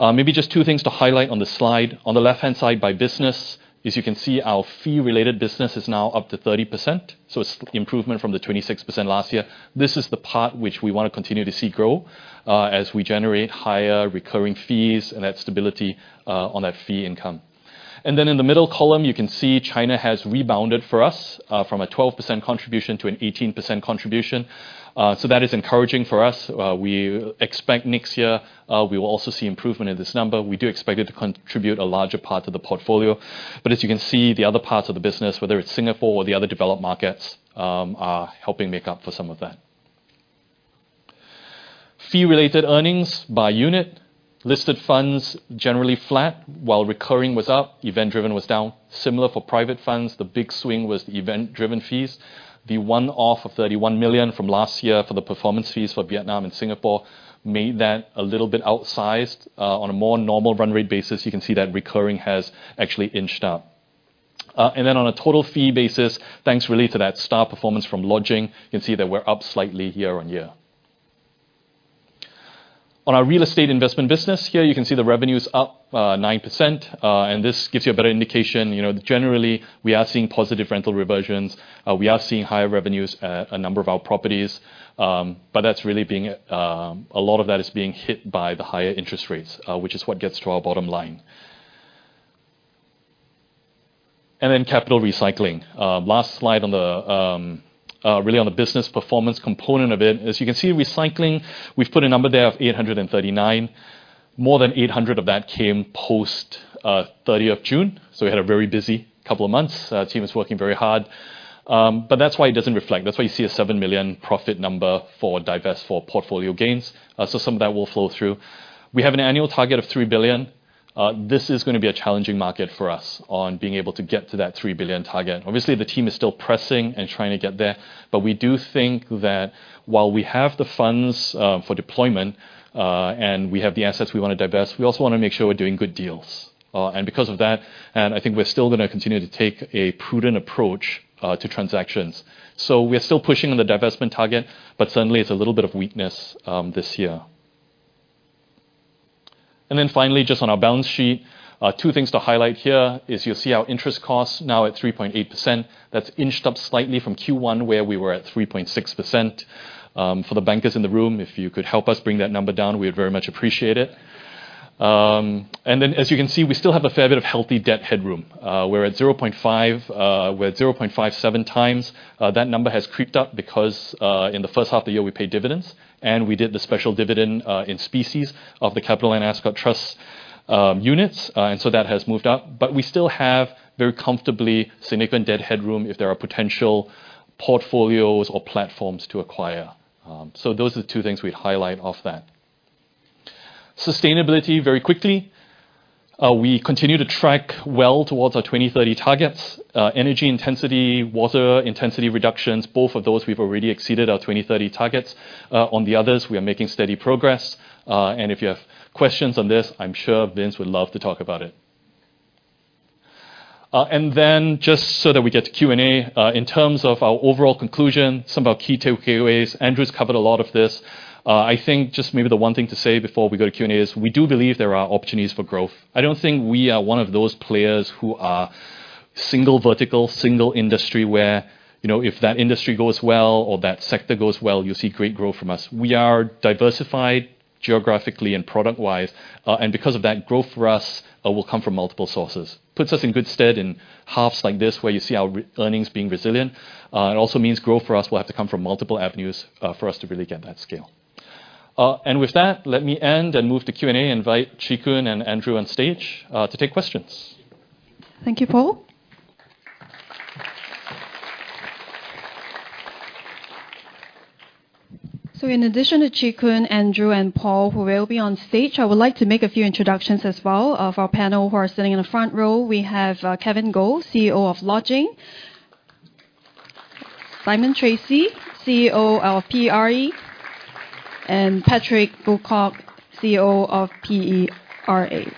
Maybe just two things to highlight on the slide. On the left-hand side, by business, as you can see, our fee-related business is now up to 30%, so it's improvement from the 26% last year. This is the part which we wanna continue to see grow, as we generate higher recurring fees and that stability on that fee income. Then in the middle column, you can see China has rebounded for us, from a 12% contribution to an 18% contribution. That is encouraging for us. We expect next year, we will also see improvement in this number. We do expect it to contribute a larger part to the portfolio. As you can see, the other parts of the business, whether it's Singapore or the other developed markets, are helping make up for some of that. Fee-related earnings by unit. Listed funds, generally flat. While recurring was up, event-driven was down. Similar for private funds, the big swing was the event-driven fees. The one-off of $31 million from last year for the performance fees for Vietnam and Singapore made that a little bit outsized. On a more normal run rate basis, you can see that recurring has actually inched up. On a total fee basis, thanks really to that star performance from lodging, you can see that we're up slightly year-on-year. On our real estate investment business, here you can see the revenue is up 9%, and this gives you a better indication. You know, generally, we are seeing positive rental reversions. We are seeing higher revenues at a number of our properties, but that's really a lot of that is being hit by the higher interest rates, which is what gets to our bottom line. Then capital recycling. Last slide on the really on the business performance component of it. As you can see, recycling, we've put a number there of 839 million. More than 800 million of that came post 30th of June, we had a very busy couple of months. Team is working very hard. That's why it doesn't reflect. That's why you see a 7 million profit number for divest for portfolio gains. Some of that will flow through. We have an annual target of 3 billion. This is gonna be a challenging market for us on being able to get to that 3 billion target. Obviously, the team is still pressing and trying to get there. We do think that while we have the funds for deployment, and we have the assets we wanna divest, we also wanna make sure we're doing good deals. Because of that, and I think we're still gonna continue to take a prudent approach to transactions. We are still pushing on the divestment target, but certainly, it's a little bit of weakness this year. Finally, just on our balance sheet, two things to highlight here is you'll see our interest costs now at 3.8%. That's inched up slightly from Q1, where we were at 3.6%. For the bankers in the room, if you could help us bring that number down, we'd very much appreciate it. As you can see, we still have a fair bit of healthy debt headroom. We're at 0.5. We're at 0.57 times. That number has creeped up because in the first half of the year, we paid dividends, and we did the special dividend in species of the CapitaLand Ascott Trust units. That has moved up. We still have very comfortably significant debt headroom if there are potential portfolios or platforms to acquire. Those are the two things we'd highlight off that. Sustainability, very quickly. We continue to track well towards our 2030 targets. Energy intensity, water intensity reductions, both of those we've already exceeded our 2030 targets. On the others, we are making steady progress. If you have questions on this, I'm sure Vince would love to talk about it. Just so that we get to Q&A, in terms of our overall conclusion, some of our key takeaways, Andrew's covered a lot of this. I think just maybe the one thing to say before we go to Q&A is we do believe there are opportunities for growth. I don't think we are one of those players who are single vertical, single industry, where, you know, if that industry goes well or that sector goes well, you'll see great growth from us. We are diversified geographically and product-wise, because of that, growth for us, will come from multiple sources. Puts us in good stead in halves like this, where you see our earnings being resilient. It also means growth for us will have to come from multiple avenues, for us to really get that scale. With that, let me end and move to Q&A, invite Chee Koon and Andrew on stage to take questions. Thank you, Paul. In addition to Chee Koon, Andrew, and Paul, who will be on stage, I would like to make a few introductions as well. Of our panel who are sitting in the front row, we have Kevin Goh, CEO of Lodging. Simon Treacy, CEO of PERE, and Patrick Buerkle, CEO of PERA.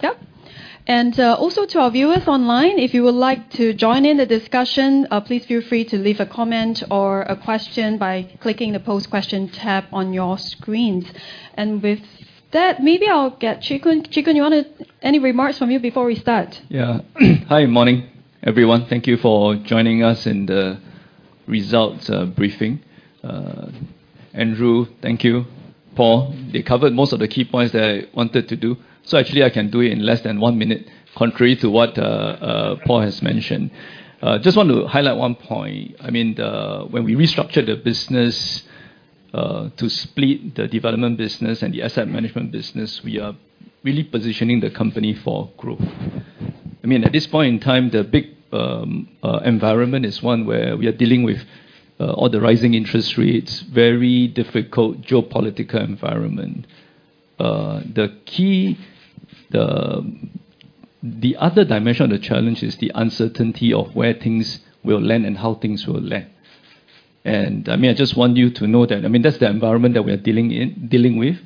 Yep. Also to our viewers online, if you would like to join in the discussion, please feel free to leave a comment or a question by clicking the Pose Question tab on your screens. With that, maybe I'll get Chee Koon. Chee Koon, any remarks from you before we start? Yeah. Hi, morning, everyone. Thank you for joining us in the results briefing. Andrew, thank you. Paul. They covered most of the key points that I wanted to do, so actually I can do it in less than 1 minute, contrary to what Paul has mentioned. Just want to highlight 1 point. I mean, When we restructured the business to split the development business and the asset management business, we are really positioning the company for growth. I mean, at this point in time, the big environment is one where we are dealing with all the rising interest rates, very difficult geopolitical environment. The key, the, the other dimension of the challenge is the uncertainty of where things will land and how things will land. I mean, I just want you to know that. I mean, that's the environment that we are dealing in, dealing with.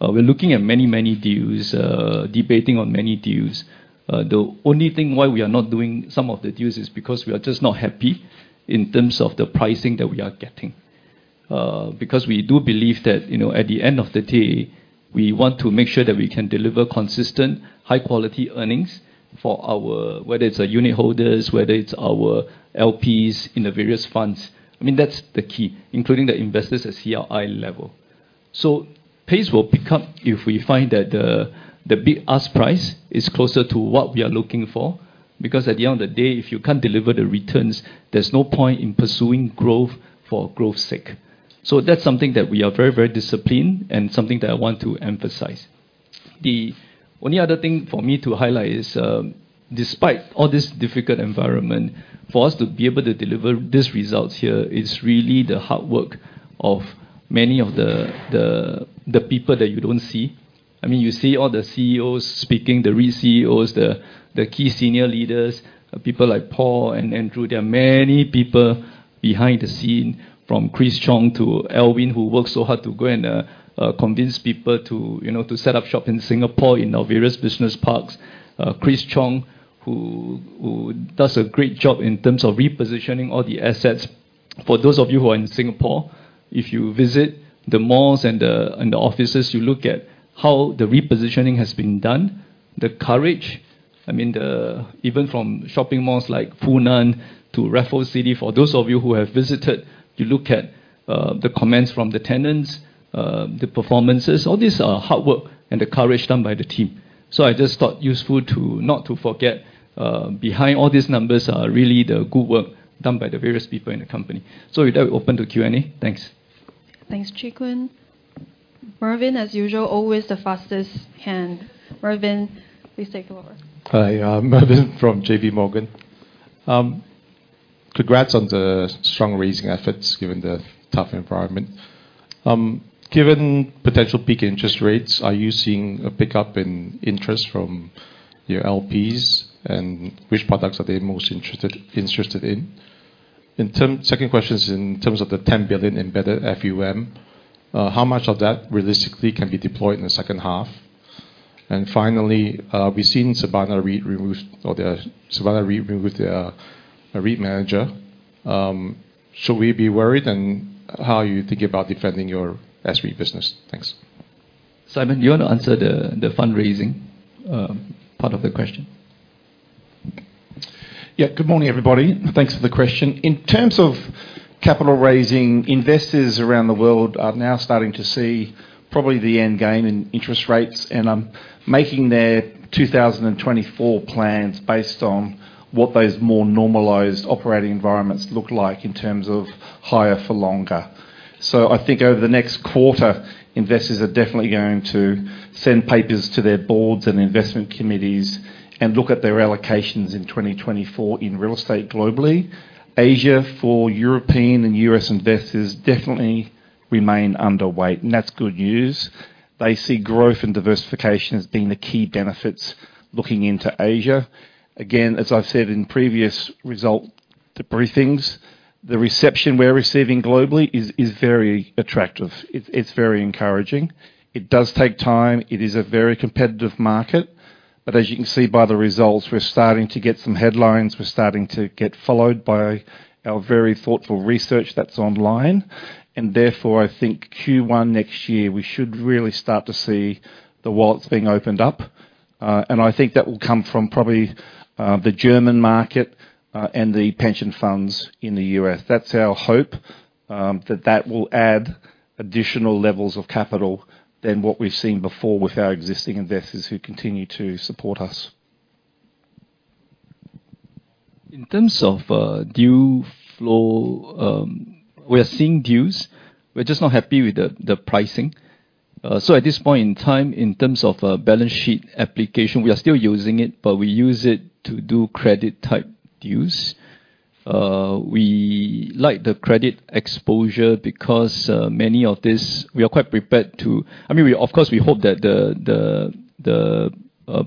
We're looking at many, many deals, debating on many deals. The only thing why we are not doing some of the deals is because we are just not happy in terms of the pricing that we are getting. Because we do believe that, you know, at the end of the day, we want to make sure that we can deliver consistent, high quality earnings for our, whether it's our unit holders, whether it's our LPs in the various funds. I mean, that's the key, including the investors at CLI level. Pace will pick up if we find that the bid, ask price is closer to what we are looking for, because at the end of the day, if you can't deliver the returns, there's no point in pursuing growth for growth's sake. That's something that we are very, very disciplined and something that I want to emphasize. The only other thing for me to highlight is, despite all this difficult environment, for us to be able to deliver this result here is really the hard work of many of the, the, the people that you don't see. I mean, you see all the CEOs speaking, the re-CEOs, the, the key senior leaders, people like Paul and Andrew. There are many people behind the scene, from Chris Chong to Alvin, who worked so hard to go and convince people to, you know, to set up shop in Singapore in our various business parks. Chris Chong, who, who does a great job in terms of repositioning all the assets. For those of you who are in Singapore, if you visit the malls and the offices, you look at how the repositioning has been done, the courage, I mean, even from shopping malls like Funan to Raffles City, for those of you who have visited, you look at the comments from the tenants, the performances, all these are hard work and the courage done by the team. I just thought useful to, not to forget, behind all these numbers are really the good work done by the various people in the company. With that, we open to Q&A. Thanks. Thanks, Chee Koon. Mervyn, as usual, always the fastest hand. Mervyn, please take over. Hi, I'm Mervyn from JPMorgan. Congrats on the strong raising efforts, given the tough environment. Given potential peak interest rates, are you seeing a pickup in interest from your LPs, and which products are they most interested, interested in? Second question is, in terms of the 10 billion in better FUM, how much of that realistically can be deployed in the second half? Finally, we've seen Sabana REIT remove or the Sabana REIT remove their REIT manager. Should we be worried? How are you thinking about defending your S-REIT business? Thanks. Simon, do you want to answer the, the fundraising, part of the question? Yeah. Good morning, everybody. Thanks for the question. In terms of capital raising, investors around the world are now starting to see probably the end game in interest rates, and making their 2024 plans based on what those more normalized operating environments look like in terms of higher for longer. I think over the next quarter, investors are definitely going to send papers to their boards and investment committees and look at their allocations in 2024 in real estate globally. Asia, for European and U.S. investors, definitely remain underweight, and that's good news. They see growth and diversification as being the key benefits looking into Asia. Again, as I've said in previous result, the briefings, the reception we're receiving globally is very attractive. It's very encouraging. It does take time. It is a very competitive market, but as you can see by the results, we're starting to get some headlines. We're starting to get followed by our very thoughtful research that's online. Therefore, I think Q1 next year, we should really start to see the wallets being opened up. I think that will come from probably, the German market, and the pension funds in the U.S. That's our hope, that that will add additional levels of capital than what we've seen before with our existing investors who continue to support us. In terms of due flow, we are seeing dues, we're just not happy with the pricing. At this point in time, in terms of balance sheet application, we are still using it, but we use it to do credit type use. We like the credit exposure because many of this, we are quite prepared I mean, we of course, we hope that the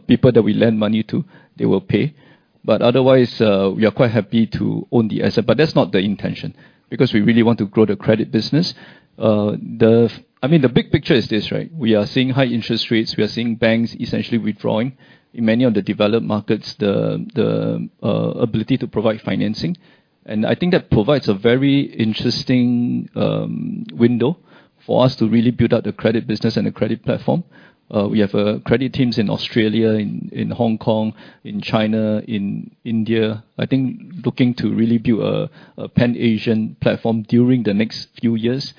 people that we lend money to, they will pay. Otherwise, we are quite happy to own the asset. That's not the intention, because we really want to grow the credit business. I mean, the big picture is this, right? We are seeing high interest rates, we are seeing banks essentially withdrawing in many of the developed markets, the ability to provide financing. I think that provides a very interesting window for us to really build out the credit business and the credit platform. We have credit teams in Australia, in Hong Kong, in China, in India, I think looking to really build a Pan-Asian platform during the next few years.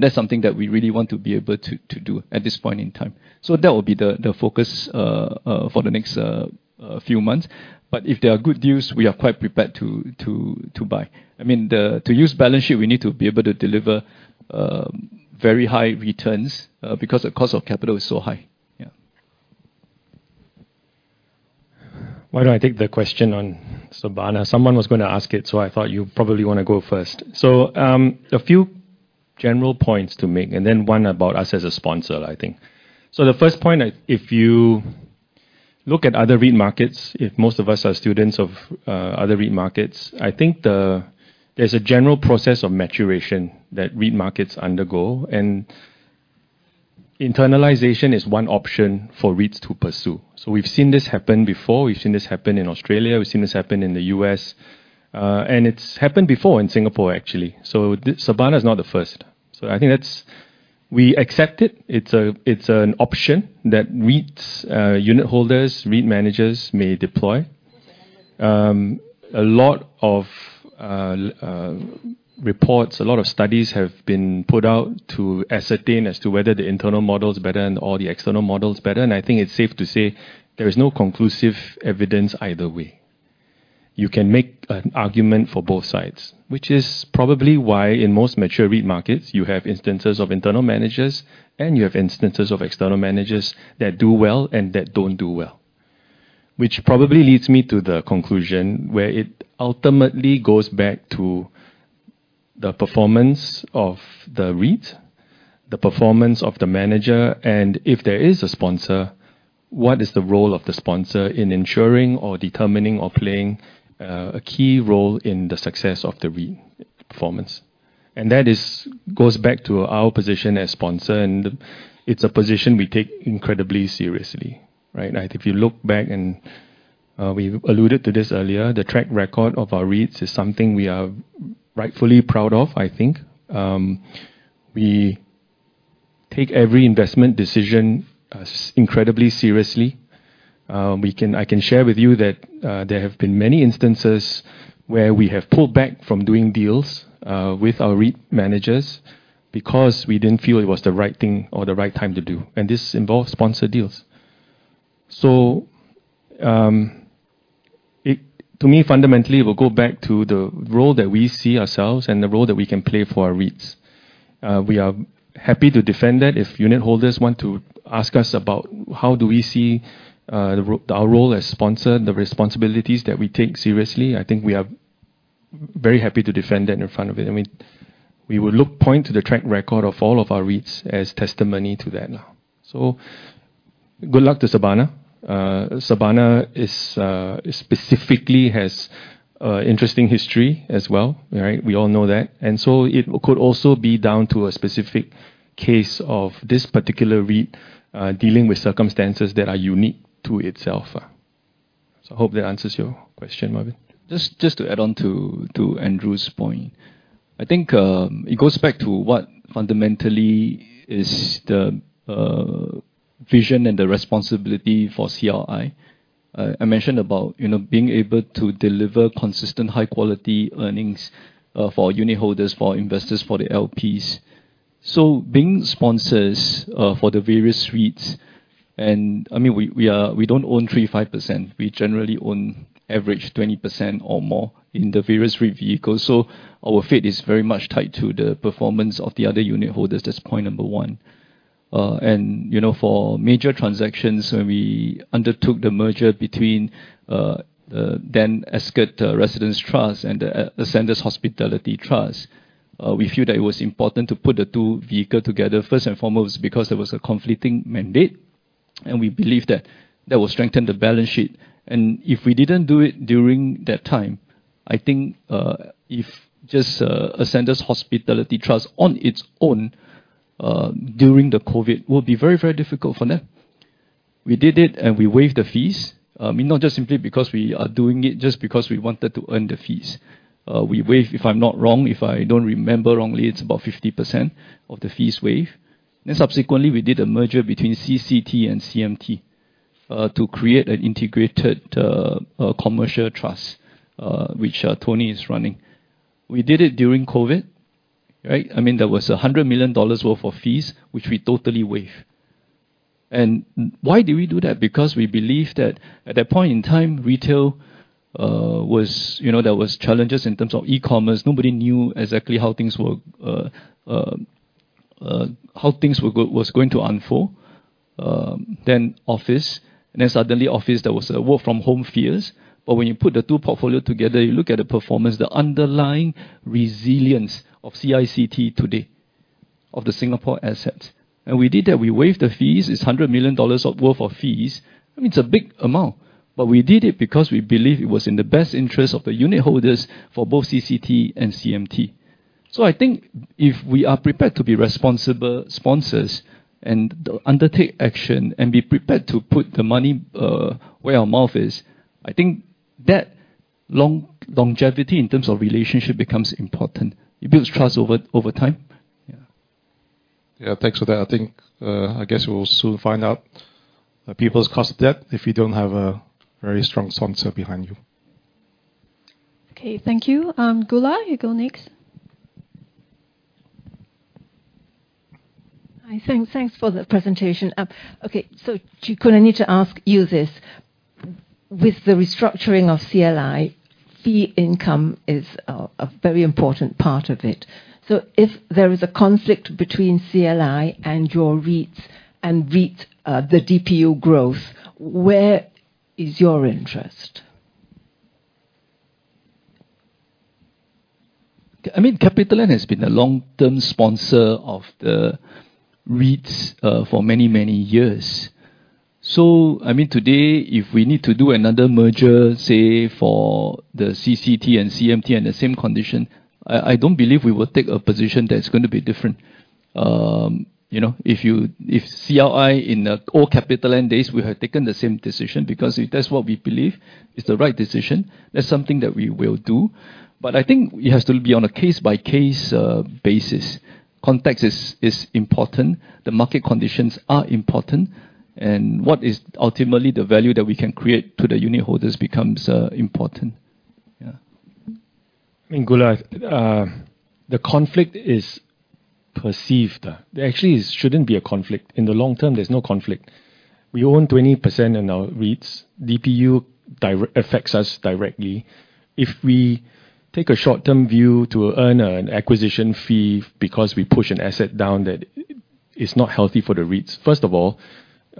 That's something that we really want to be able to do at this point in time. That will be the focus for the next few months. If there are good news, we are quite prepared to buy. I mean, to use balance sheet, we need to be able to deliver very high returns because the cost of capital is so high. Yeah. Why don't I take the question on Sabana? Someone was gonna ask it, so I thought you'd probably wanna go first. A few general points to make, and then one about us as a sponsor, I think. The first point, if you look at other REIT markets, if most of us are students of other REIT markets, I think there's a general process of maturation that REIT markets undergo, and internalization is one option for REITs to pursue. We've seen this happen before. We've seen this happen in Australia, we've seen this happen in the U.S., and it's happened before in Singapore, actually. The Sabana is not the first. I think that's... We accept it. It's a, it's an option that REITs, unitholders, REIT managers may deploy. A lot of reports, a lot of studies have been put out to ascertain as to whether the internal model is better than all the external models better, and I think it's safe to say there is no conclusive evidence either way. You can make an argument for both sides, which is probably why in most mature REIT markets, you have instances of internal managers, and you have instances of external managers that do well and that don't do well. Which probably leads me to the conclusion where it ultimately goes back to the performance of the REIT, the performance of the manager, and if there is a sponsor, what is the role of the sponsor in ensuring or determining or playing a key role in the success of the REIT performance? That is, goes back to our position as sponsor, and it's a position we take incredibly seriously, right? If you look back, we alluded to this earlier, the track record of our REITs is something we are rightfully proud of, I think. We take every investment decision as incredibly seriously. I can share with you that there have been many instances where we have pulled back from doing deals with our REIT managers because we didn't feel it was the right thing or the right time to do, and this involves sponsor deals. To me, fundamentally, it will go back to the role that we see ourselves and the role that we can play for our REITs. We are happy to defend that. If unitholders want to ask us about how do we see our role as sponsor, the responsibilities that we take seriously, I think we are very happy to defend that in front of it. I mean, we would look point to the track record of all of our REITs as testimony to that now. Good luck to Sabana. Sabana is specifically has interesting history as well, right? We all know that. It could also be down to a specific case of this particular REIT dealing with circumstances that are unique to itself. I hope that answers your question, Mervyn. Just to add on to Andrew's point. I think, it goes back to what fundamentally is the vision and the responsibility for CLI. I mentioned about, you know, being able to deliver consistent, high-quality earnings, for unitholders, for investors, for the LPs. Being sponsors, for the various REITs, and I mean, we don't own 3%-5%, we generally own average 20% or more in the various REIT vehicles, so our fate is very much tied to the performance of the other unitholders. That's point number one. You know, for major transactions, when we undertook the merger between then Ascott Residence Trust and Ascendas Hospitality Trust, we feel that it was important to put the two vehicle together, first and foremost, because there was a conflicting mandate, and we believe that that will strengthen the balance sheet. If we didn't do it during that time, I think, if just Ascendas Hospitality Trust on its own, during the COVID, will be very, very difficult for them. We did it, and we waived the fees. I mean, not just simply because we are doing it, just because we wanted to earn the fees. We waived, if I'm not wrong, if I don't remember wrongly, it's about 50% of the fees waived. Subsequently, we did a merger between CCT and CMT to create an integrated commercial trust, which Tony is running. We did it during COVID, right? I mean, there was S$100 million worth of fees, which we totally waived. Why do we do that? Because we believe that at that point in time, retail was, you know, there was challenges in terms of e-commerce. Nobody knew exactly how things were, how things was going to unfold. Then office, and then suddenly office, there was a work from home fears. But when you put the two portfolio together, you look at the performance, the underlying resilience of CICT today, of the Singapore assets. We did that, we waived the fees. It's S$100 million worth of fees. I mean, it's a big amount, but we did it because we believed it was in the best interest of the unitholders for both CCT and CMT. I think if we are prepared to be responsible sponsors and undertake action, and be prepared to put the money where our mouth is, I think that longevity in terms of relationship becomes important. It builds trust over, over time. Yeah. Thanks for that. I think, I guess we'll soon find out, people's cost of debt if you don't have a very strong sponsor behind you. Okay, thank you. Gauri, you go next. Hi, thanks, thanks for the presentation. Okay, Chee Koon, I need to ask you this: With the restructuring of CLI, fee income is a very important part of it. If there is a conflict between CLI and your REITs, and REIT, the DPU growth, where is your interest? I mean, CapitaLand has been a long-term sponsor of the REITs, for many, many years. I mean, today, if we need to do another merger, say, for the CCT and CMT on the same condition, I, I don't believe we would take a position that's going to be different. You know, if CLI in the old CapitaLand days, we had taken the same decision, because if that's what we believe is the right decision, that's something that we will do. I think it has to be on a case-by-case basis. Context is important, the market conditions are important, and what is ultimately the value that we can create to the unitholders becomes important. Yeah. I mean, Gauri, the conflict is perceived. There actually shouldn't be a conflict. In the long term, there's no conflict. We own 20% in our REITs. DPU directly affects us directly. If we take a short-term view to earn an acquisition fee because we push an asset down, that is not healthy for the REITs. First of all,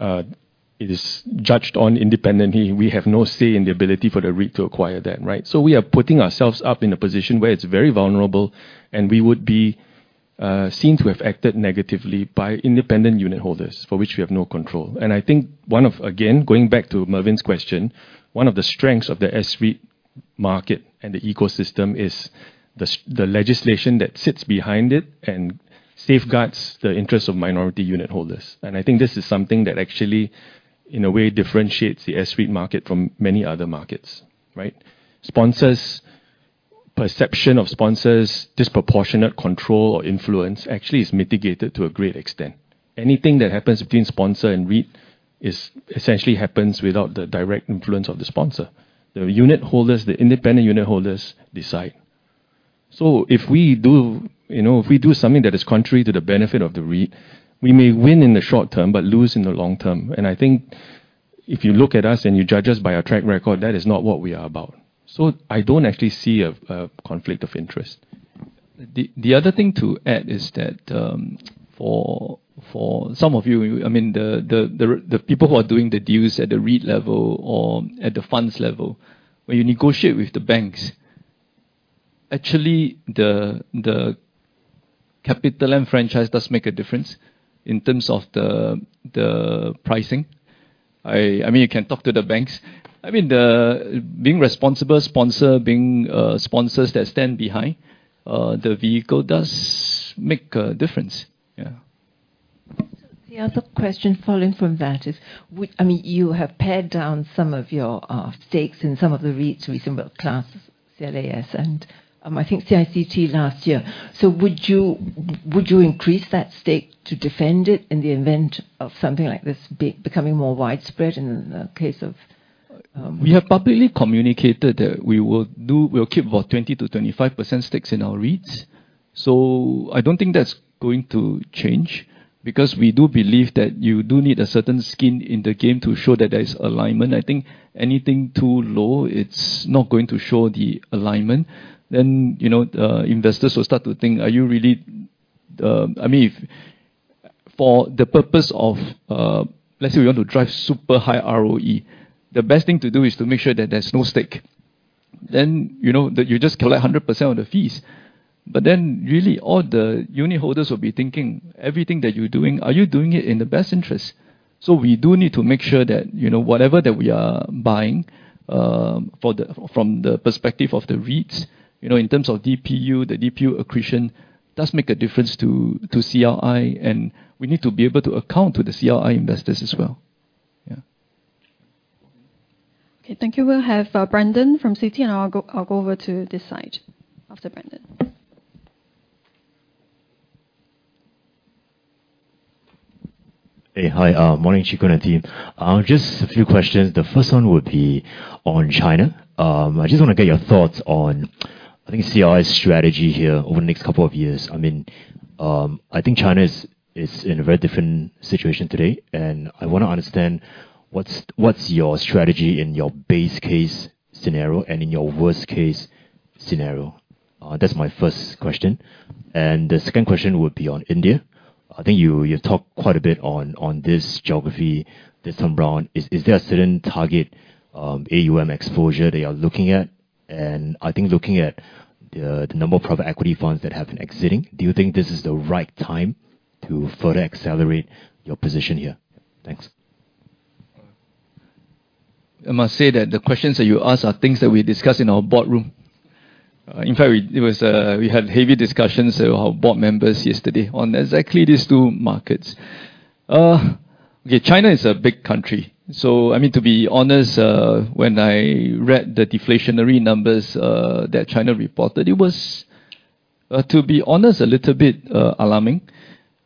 it is judged on independently. We have no say in the ability for the REIT to acquire that, right? We are putting ourselves up in a position where it's very vulnerable, and we would be seen to have acted negatively by independent unitholders, for which we have no control. I think one of... Going back toMervyn's question, one of the strengths of the S-REIT market and the ecosystem is the legislation that sits behind it and safeguards the interests of minority unitholders. I think this is something that actually, in a way, differentiates the S-REIT market from many other markets, right? Sponsors, perception of sponsors, disproportionate control or influence actually is mitigated to a great extent. Anything that happens between sponsor and REIT essentially happens without the direct influence of the sponsor. The unitholders, the independent unitholders, decide. If we do, you know, if we do something that is contrary to the benefit of the REIT, we may win in the short term, but lose in the long term. I think if you look at us and you judge us by our track record, that is not what we are about. I don't actually see a conflict of interest. The other thing to add is that, for some of you, I mean, the people who are doing the deals at the REIT level or at the funds level, when you negotiate with the banks, actually, the CapitaLand franchise does make a difference in terms of the pricing. I mean, you can talk to the banks. I mean, the being responsible sponsor, being sponsors that stand behind the vehicle does make a difference. Yeah. The other question following from that is, I mean, you have pared down some of your stakes in some of the REITs recent, well, CLAS, and I think CICT last year. Would you, would you increase that stake to defend it in the event of something like this becoming more widespread in the case of? We have publicly communicated that we will keep about 20%-25% stakes in our REITs. I don't think that's going to change, because we do believe that you do need a certain skin in the game to show that there is alignment. I think anything too low, it's not going to show the alignment. You know, investors will start to think, are you really I mean, if for the purpose of, let's say you want to drive super high ROE, the best thing to do is to make sure that there's no stake. You know, that you just collect 100% of the fees. Really, all the unitholders will be thinking, everything that you're doing, are you doing it in the best interest? We do need to make sure that, you know, whatever that we are buying, from the perspective of the REITs, you know, in terms of DPU, the DPU accretion does make a difference to CLI, and we need to be able to account to the CLI investors as well. Yeah. Okay, thank you. We'll have Brandon from CT, and I'll go over to this side after Brandon. Hey, hi. morning, Chee Koon and team. just a few questions. The first one would be on China. I just want to get your thoughts on I think CLI's strategy here over the next couple of years. I mean, I think China is, is in a very different situation today, and I wanna understand what's, what's your strategy in your base case scenario and in your worst case scenario? that's my first question. The second question would be on India. I think you, you've talked quite a bit on, on this geography this time around. Is, is there a certain target AUM exposure that you're looking at? I think looking at the, the number of private equity funds that have been exiting, do you think this is the right time to further accelerate your position here? Thanks. I must say that the questions that you ask are things that we discuss in our board room. In fact, it was, we had heavy discussions with our board members yesterday on exactly these two markets. Okay, China is a big country, so I mean, to be honest, when I read the deflationary numbers that China reported, it was, to be honest, a little bit alarming.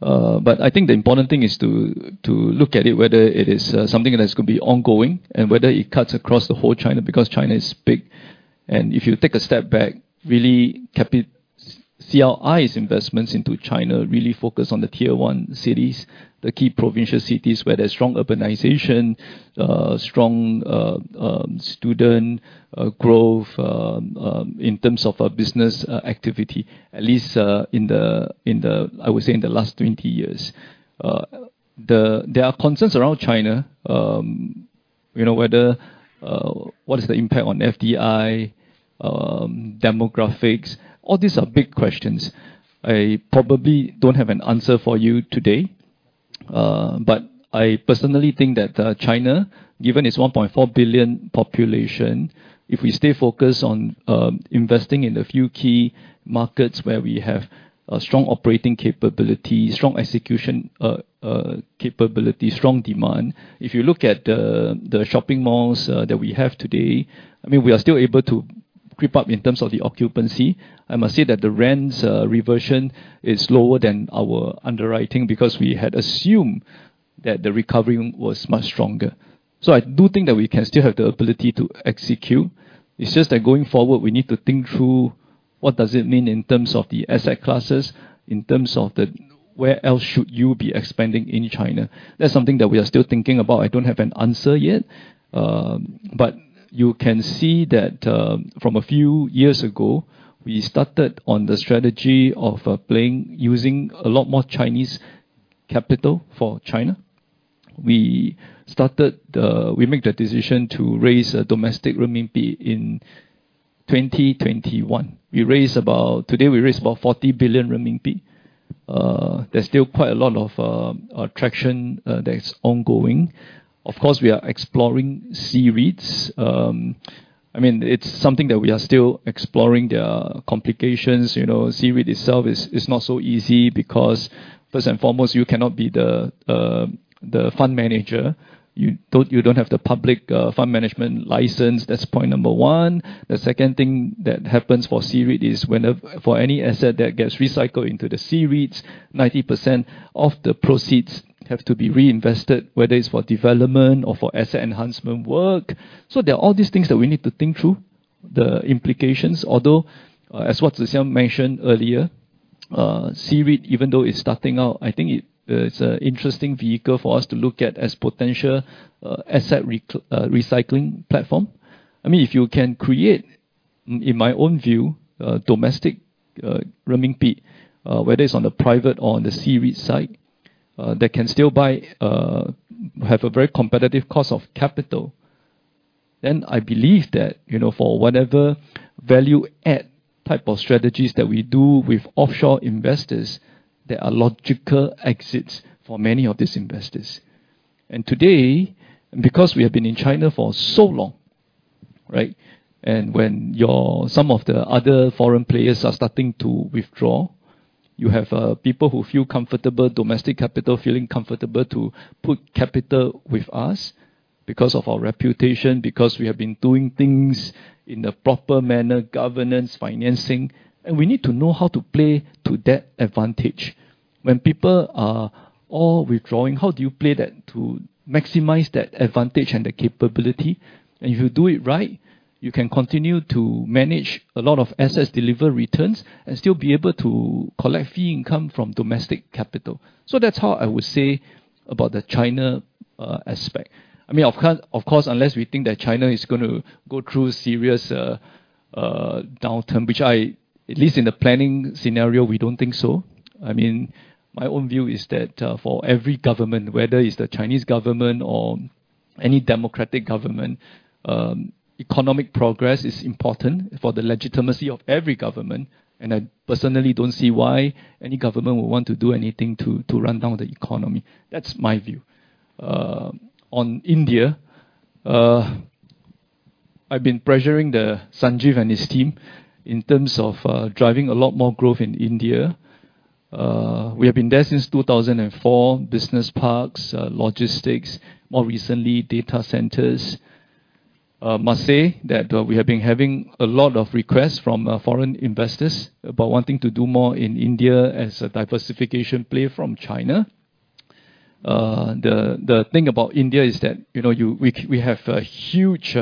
But I think the important thing is to, to look at it, whether it is something that is gonna be ongoing, and whether it cuts across the whole China, because China is big. If you take a step back, really CLI's investments into China really focus on the Tier 1 cities, the key provincial cities, where there's strong urbanization, strong student growth in terms of business activity, at least in the last 20 years. There are concerns around China, you know, whether what is the impact on FDI, demographics? All these are big questions. I probably don't have an answer for you today, I personally think that China, given its 1.4 billion population, if we stay focused on investing in the few key markets where we have a strong operating capability, strong execution capability, strong demand. If you look at the, the shopping malls, that we have today, I mean, we are still able to creep up in terms of the occupancy. I must say that the rents, reversion is lower than our underwriting, because we had assumed that the recovery was much stronger. I do think that we can still have the ability to execute. It's just that going forward, we need to think through what does it mean in terms of the asset classes, in terms of the, where else should you be expanding in China? That's something that we are still thinking about. I don't have an answer yet. You can see that, from a few years ago, we started on the strategy of using a lot more Chinese capital for China. We made the decision to raise a domestic renminbi in 2021. Today, we raised about 40 billion renminbi. There's still quite a lot of traction that is ongoing. Of course, we are exploring C-REITs. I mean, it's something that we are still exploring. There are complications. You know, C-REIT itself is, is not so easy because first and foremost, you cannot be the fund manager. You don't, you don't have the public fund management license. That's point number one. The second thing that happens for C-REIT is for any asset that gets recycled into the C-REITs, 90% of the proceeds have to be reinvested, whether it's for development or for asset enhancement work. There are all these things that we need to think through, the implications. Although, as what Tze Shyang mentioned earlier, C-REIT, even though it's starting out, I think it, it's an interesting vehicle for us to look at as potential, asset rec- recycling platform. I mean, if you can create, in my own view, domestic, Renminbi, whether it's on the private or on the C-REIT side, that can still buy, have a very competitive cost of capital, then I believe that, you know, for whatever value add type of strategies that we do with offshore investors, there are logical exits for many of these investors. Today, because we have been in China for so long, right? When some of the other foreign players are starting to withdraw, you have people who feel comfortable, domestic capital, feeling comfortable to put capital with us because of our reputation, because we have been doing things in the proper manner, governance, financing, and we need to know how to play to that advantage. When people are all withdrawing, how do you play that to maximize that advantage and the capability? If you do it right, you can continue to manage a lot of assets, deliver returns, and still be able to collect fee income from domestic capital. That's how I would say about the China aspect. I mean, of course, unless we think that China is gonna go through a serious downturn, which I, at least in the planning scenario, we don't think so. I mean, my own view is that, for every government, whether it's the Chinese government or any democratic government, economic progress is important for the legitimacy of every government, and I personally don't see why any government would want to do anything to, to run down the economy. That's my view. On India, I've been pressuring Sanjeev and his team in terms of driving a lot more growth in India. We have been there since 2004, business parks, logistics, more recently, data centers. I must say that we have been having a lot of requests from foreign investors about wanting to do more in India as a diversification play from China. The thing about India is that, you know, we have a huge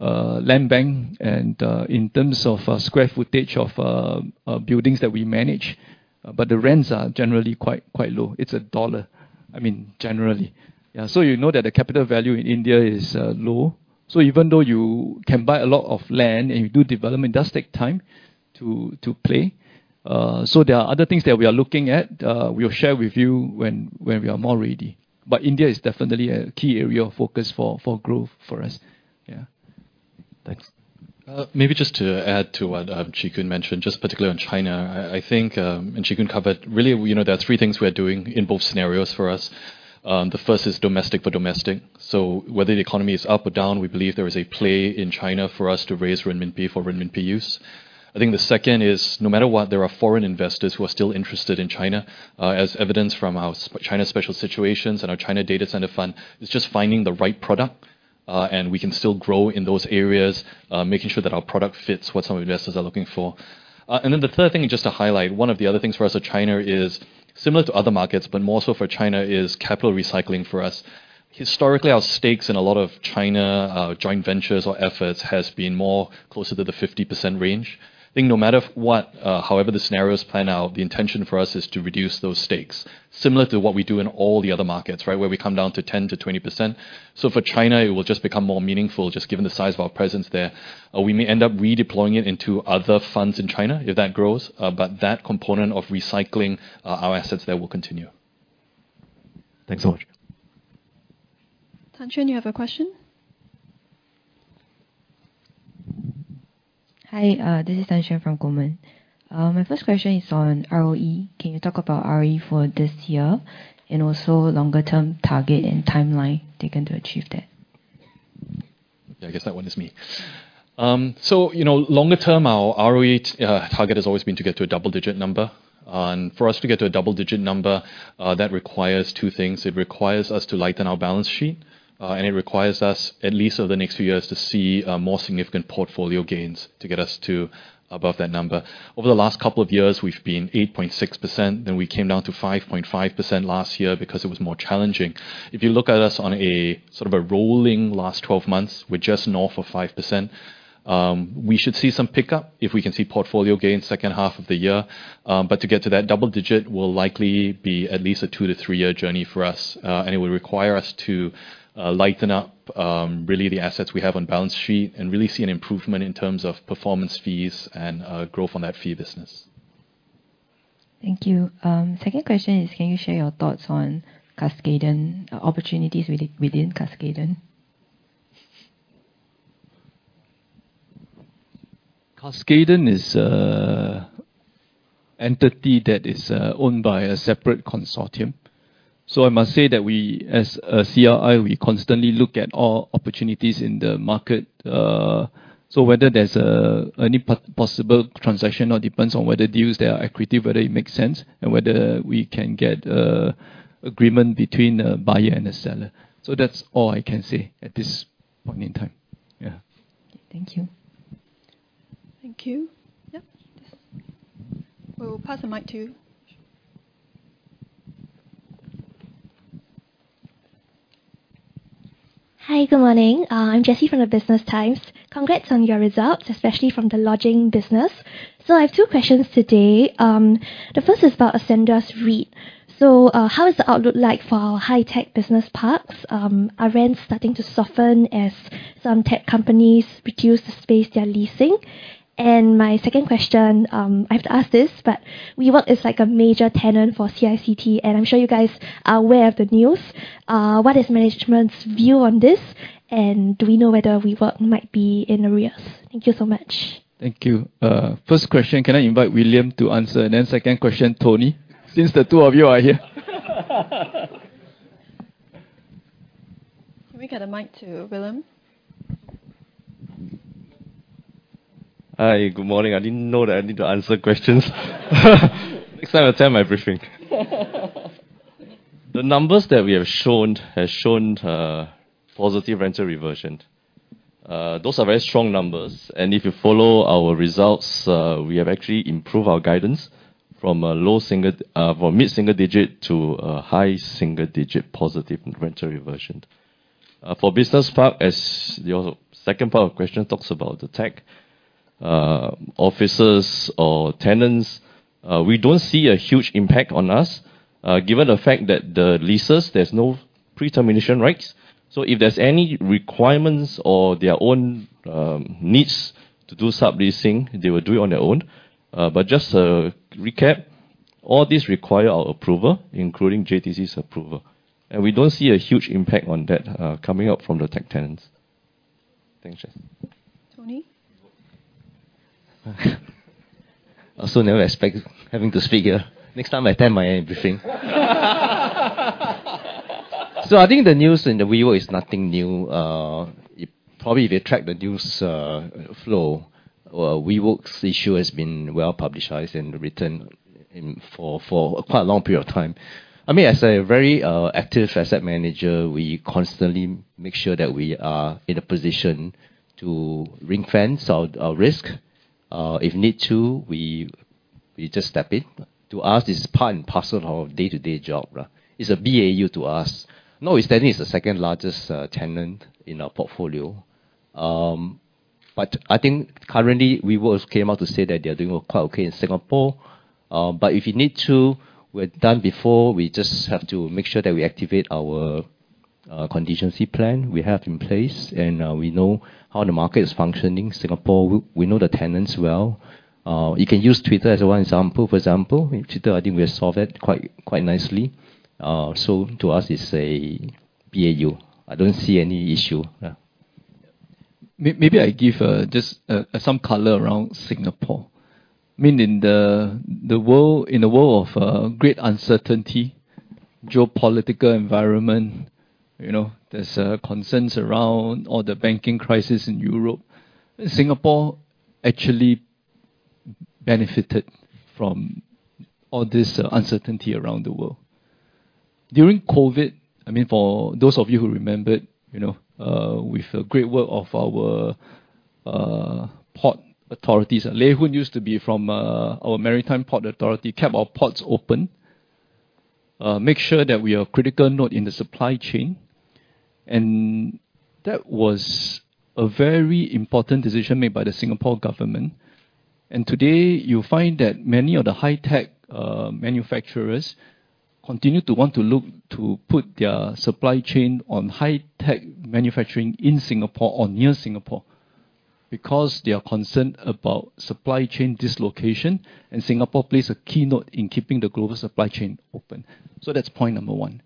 land bank, and in terms of square footage of buildings that we manage, but the rents are generally quite, quite low. It's a dollar, I mean, generally. Yeah, so you know that the capital value in India is low. So even though you can buy a lot of land and you do development, it does take time to, to play. So there are other things that we are looking at, we'll share with you when, when we are more ready. But India is definitely a key area of focus for, for growth for us. Yeah. Thanks. Maybe just to add to what Chee Koon mentioned, just particularly on China, I, I think. Chee Koon covered. Really, you know, there are three things we are doing in both scenarios for us. The first is domestic for domestic. Whether the economy is up or down, we believe there is a play in China for us to raise renminbi for renminbi use. I think the second is, no matter what, there are foreign investors who are still interested in China, as evidenced from our China special situations and our China data center fund. It's just finding the right product, and we can still grow in those areas, making sure that our product fits what some investors are looking for. The third thing, just to highlight, one of the other things for us at China is similar to other markets, but more so for China, is capital recycling for us. Historically, our stakes in a lot of China, joint ventures or efforts, has been more closer to the 50% range. I think no matter what, however the scenarios pan out, the intention for us is to reduce those stakes, similar to what we do in all the other markets, right? Where we come down to 10%-20%. For China, it will just become more meaningful, just given the size of our presence there. We may end up redeploying it into other funds in China, if that grows, but that component of recycling, our assets there will continue. Thanks so much. Tze Shean, you have a question? Hi, this is Tze Shean from Goldman. My first question is on ROE. Can you talk about ROE for this year, and also longer-term target and timeline taken to achieve that? Yeah, I guess that one is me. You know, longer term, our ROE target has always been to get to a double-digit number. For us to get to a double-digit number, that requires 2 things. It requires us to lighten our balance sheet, and it requires us, at least over the next few years, to see more significant portfolio gains to get us to above that number. Over the last couple of years, we've been 8.6%, then we came down to 5.5% last year because it was more challenging. If you look at us on a sort of a rolling last 12 months, we're just north of 5%. We should see some pickup if we can see portfolio gains second half of the year. To get to that double-digit will likely be at least a 2- to 3-year journey for us. It will require us to lighten up really the assets we have on balance sheet, and really see an improvement in terms of performance fees and growth on that fee business. Thank you. Second question is, can you share your thoughts on Cascaden, opportunities within Cascaden? Cascaden is a entity that is owned by a separate consortium. I must say that as, CLI, we constantly look at all opportunities in the market. Whether there's a, any possible transaction or depends on whether deals, they are accretive, whether it makes sense, and whether we can get agreement between a buyer and a seller. That's all I can say at this point in time. Yeah. Thank you. Thank you. Yep. We'll pass the mic to you. Hi, good morning. I'm Jessie from the Business Times. Congrats on your results, especially from the lodging business. I have two questions today. The first is about Ascendas REIT. How is the outlook like for our high-tech business parks? Are rents starting to soften as some tech companies reduce the space they are leasing? My second question, I have to ask this, but WeWork is like a major tenant for CICT, and I'm sure you guys are aware of the news. What is management's view on this, and do we know whether WeWork might be in arrears? Thank you so much. Thank you. First question, can I invite William to answer? Then second question, Tony, since the two of you are here. Can we get a mic to William? Hi, good morning. I didn't know that I need to answer questions. Next time, I attend my briefing. The numbers that we have shown, has shown, positive rental reversion. Those are very strong numbers, and if you follow our results, we have actually improved our guidance from a low single, from mid-single digit to a high single digit positive rental reversion. For business park, as your second part of question talks about the tech, offices or tenants, we don't see a huge impact on us, given the fact that the leases, there's no pretermination rights. So if there's any requirements or their own, needs to do subleasing, they will do it on their own. Just to recap, all this require our approval, including JTC's approval, and we don't see a huge impact on that, coming out from the tech tenants. Thanks, Jesse. Tony? I also never expect having to speak here. Next time, I attend my own briefing. I think the news in the WeWork is nothing new. It probably, if you track the news, flow, WeWork's issue has been well publicized and written in for quite a long period of time. I mean, as a very, active asset manager, we constantly make sure that we are in a position to ring-fence our risk. If need to, we just step in. To us, this is part and parcel of our day-to-day job. It's a BAU to us. Now, WeWork is the second largest, tenant in our portfolio.... I think currently, WeWork came out to say that they are doing quite okay in Singapore. If you need to, we've done before, we just have to make sure that we activate our contingency plan we have in place, and we know how the market is functioning. Singapore, we, we know the tenants well. You can use Twitter as one example. For example, in Twitter, I think we solved that quite, quite nicely. To us, it's a BAU. I don't see any issue. Maybe I give just some color around Singapore. I mean, in a world of great uncertainty, geopolitical environment, you know, there's a consensus around all the banking crisis in Europe. Singapore actually benefited from all this uncertainty around the world. During COVID, I mean, for those of you who remembered, you know, with the great work of our port authorities, Lei Hu used to be from our Maritime Port Authority, kept our ports open, make sure that we are critical node in the supply chain. That was a very important decision made by the Singapore government. Today, you'll find that many of the high-tech manufacturers continue to want to look to put their supply chain on high-tech manufacturing in Singapore or near Singapore, because they are concerned about supply chain dislocation. Singapore plays a key node in keeping the global supply chain open. That's point number one.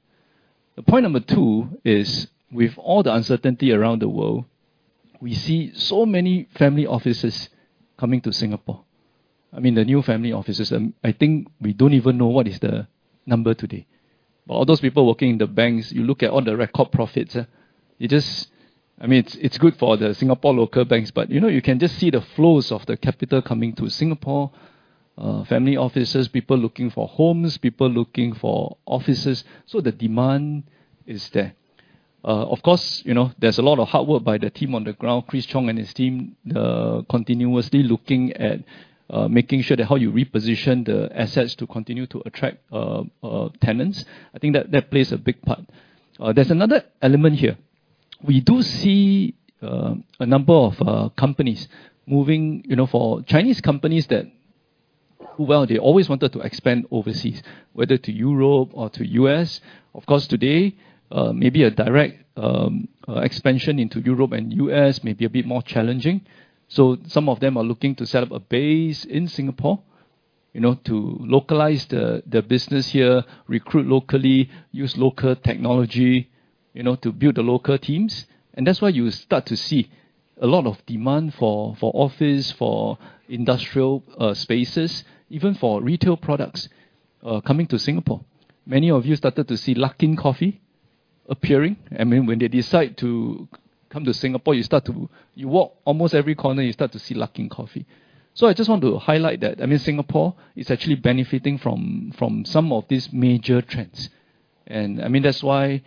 The point number two is, with all the uncertainty around the world, we see so many family offices coming to Singapore. I mean, the new family offices, I think we don't even know what is the number today. All those people working in the banks, you look at all the record profits, you just... I mean, it's, it's good for the Singapore local banks, but, you know, you can just see the flows of the capital coming to Singapore, family offices, people looking for homes, people looking for offices, so the demand is there. Of course, you know, there's a lot of hard work by the team on the ground, Chris Chong and his team, continuously looking at, making sure that how you reposition the assets to continue to attract, tenants. I think that, that plays a big part. There's another element here. We do see, a number of, companies moving, you know, for Chinese companies that, well, they always wanted to expand overseas, whether to Europe or to US. Of course, today, maybe a direct expansion into Europe and U.S. may be a bit more challenging, so some of them are looking to set up a base in Singapore, you know, to localize the, the business here, recruit locally, use local technology, you know, to build the local teams. That's why you start to see a lot of demand for, for office, for industrial spaces, even for retail products, coming to Singapore. Many of you started to see Luckin Coffee appearing. I mean, when they decide to come to Singapore, you walk almost every corner, you start to see Luckin Coffee. I just want to highlight that. I mean, Singapore is actually benefiting from, from some of these major trends. I mean, that's why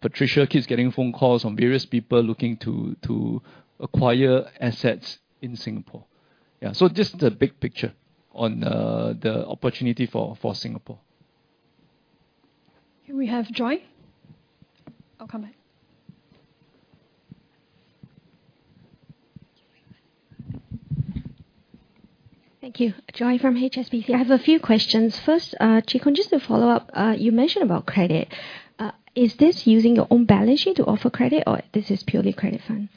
Patricia keeps getting phone calls from various people looking to, to acquire assets in Singapore. Just the big picture on the opportunity for, for Singapore. Can we have Joy? Oh, come in. Thank you. Joy from HSBC. I have a few questions. First, Chee Koon, just to follow up, you mentioned about credit. Is this using your own balance sheet to offer credit, or this is purely credit funds?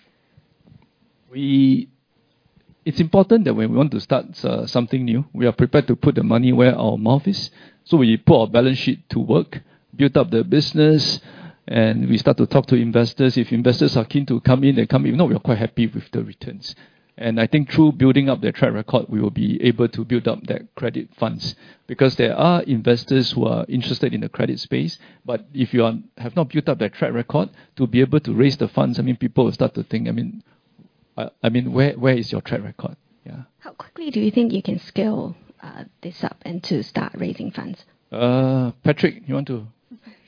It's important that when we want to start something new, we are prepared to put the money where our mouth is. We put our balance sheet to work, build up the business, and we start to talk to investors. If investors are keen to come in, they come in, though we are quite happy with the returns. I think through building up their track record, we will be able to build up their credit funds because there are investors who are interested in the credit space, if you have not built up their track record, to be able to raise the funds, I mean, people will start to think, I mean, I mean, where, where is your track record? Yeah. How quickly do you think you can scale this up and to start raising funds? Patrick, you want to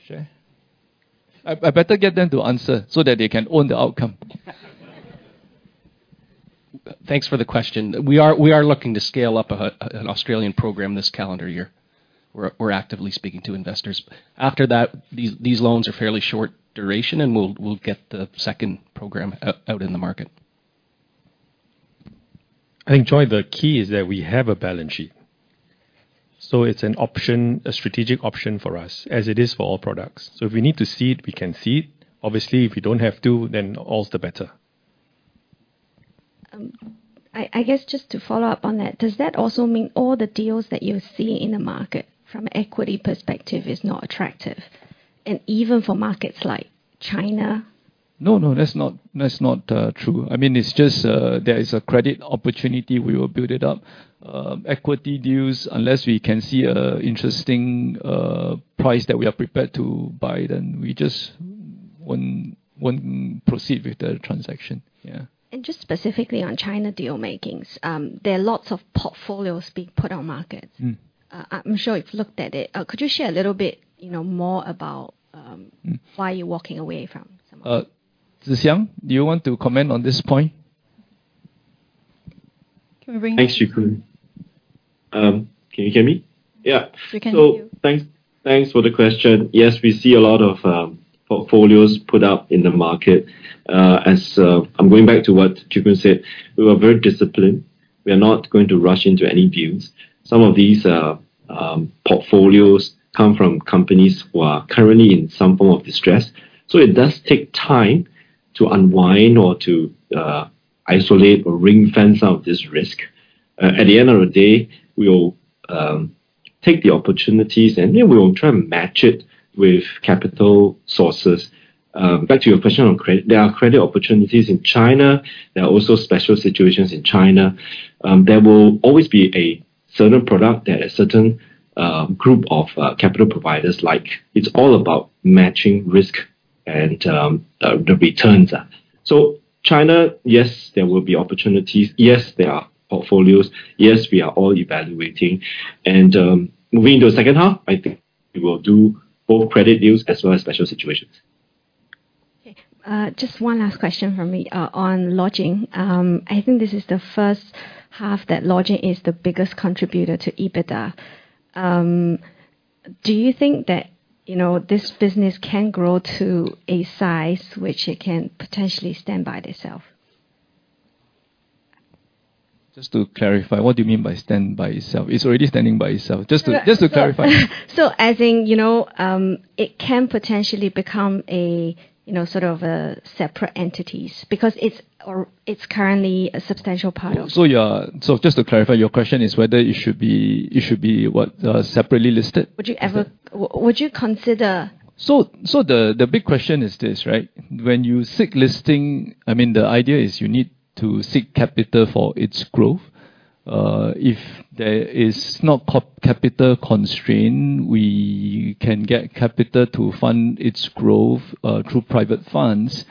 share? I, I better get them to answer so that they can own the outcome. Thanks for the question. We are looking to scale up an Australian program this calendar year. We're actively speaking to investors. After that, these loans are fairly short duration, and we'll get the second program out in the market. I think, Joy, the key is that we have a balance sheet, so it's an option, a strategic option for us, as it is for all products. If we need to seed, we can seed. Obviously, if we don't have to, then all the better. I, I guess just to follow up on that, does that also mean all the deals that you're seeing in the market, from an equity perspective, is not attractive, and even for markets like China? No, no, that's not, that's not true. I mean, it's just there is a credit opportunity, we will build it up. equity deals, unless we can see a interesting price that we are prepared to buy, then we just wouldn't, wouldn't proceed with the transaction. Yeah. Just specifically on China deal makings, there are lots of portfolios being put on markets. Mm. I'm sure you've looked at it. Could you share a little bit, you know, more about? Mm Why you're walking away from some of them? Tze Shyang, do you want to comment on this point? Thanks, Zhiqun. Can you hear me? Yeah. We can hear you. Thanks, thanks for the question. Yes, we see a lot of portfolios put out in the market. As I'm going back to what Zhiqun said: We are very disciplined. We are not going to rush into any deals. Some of these portfolios come from companies who are currently in some form of distress, so it does take time to unwind or to isolate or ring-fence out this risk. At the end of the day, we will take the opportunities, and, yeah, we will try and match it with capital sources. Back to your question on credit. There are credit opportunities in China. There are also special situations in China. There will always be a certain product that a certain group of capital providers like. It's all about matching risk and the returns are. China, yes, there will be opportunities. Yes, there are portfolios. Yes, we are all evaluating. Moving into the second half, I think we will do both credit deals as well as special situations. Okay. Just one last question from me on lodging. I think this is the first half that lodging is the biggest contributor to EBITDA. Do you think that, you know, this business can grow to a size which it can potentially stand by itself? Just to clarify, what do you mean by stand by itself? It's already standing by itself. Yeah. Just to clarify. I think, you know, it can potentially become a, you know, sort of, separate entities, because it's, or it's currently a substantial part of. just to clarify, your question is whether it should be, it should be what? separately listed? Would you consider- The big question is this, right? When you seek listing, I mean, the idea is you need to seek capital for its growth. If there is not capital constraint, we can get capital to fund its growth, through private funds.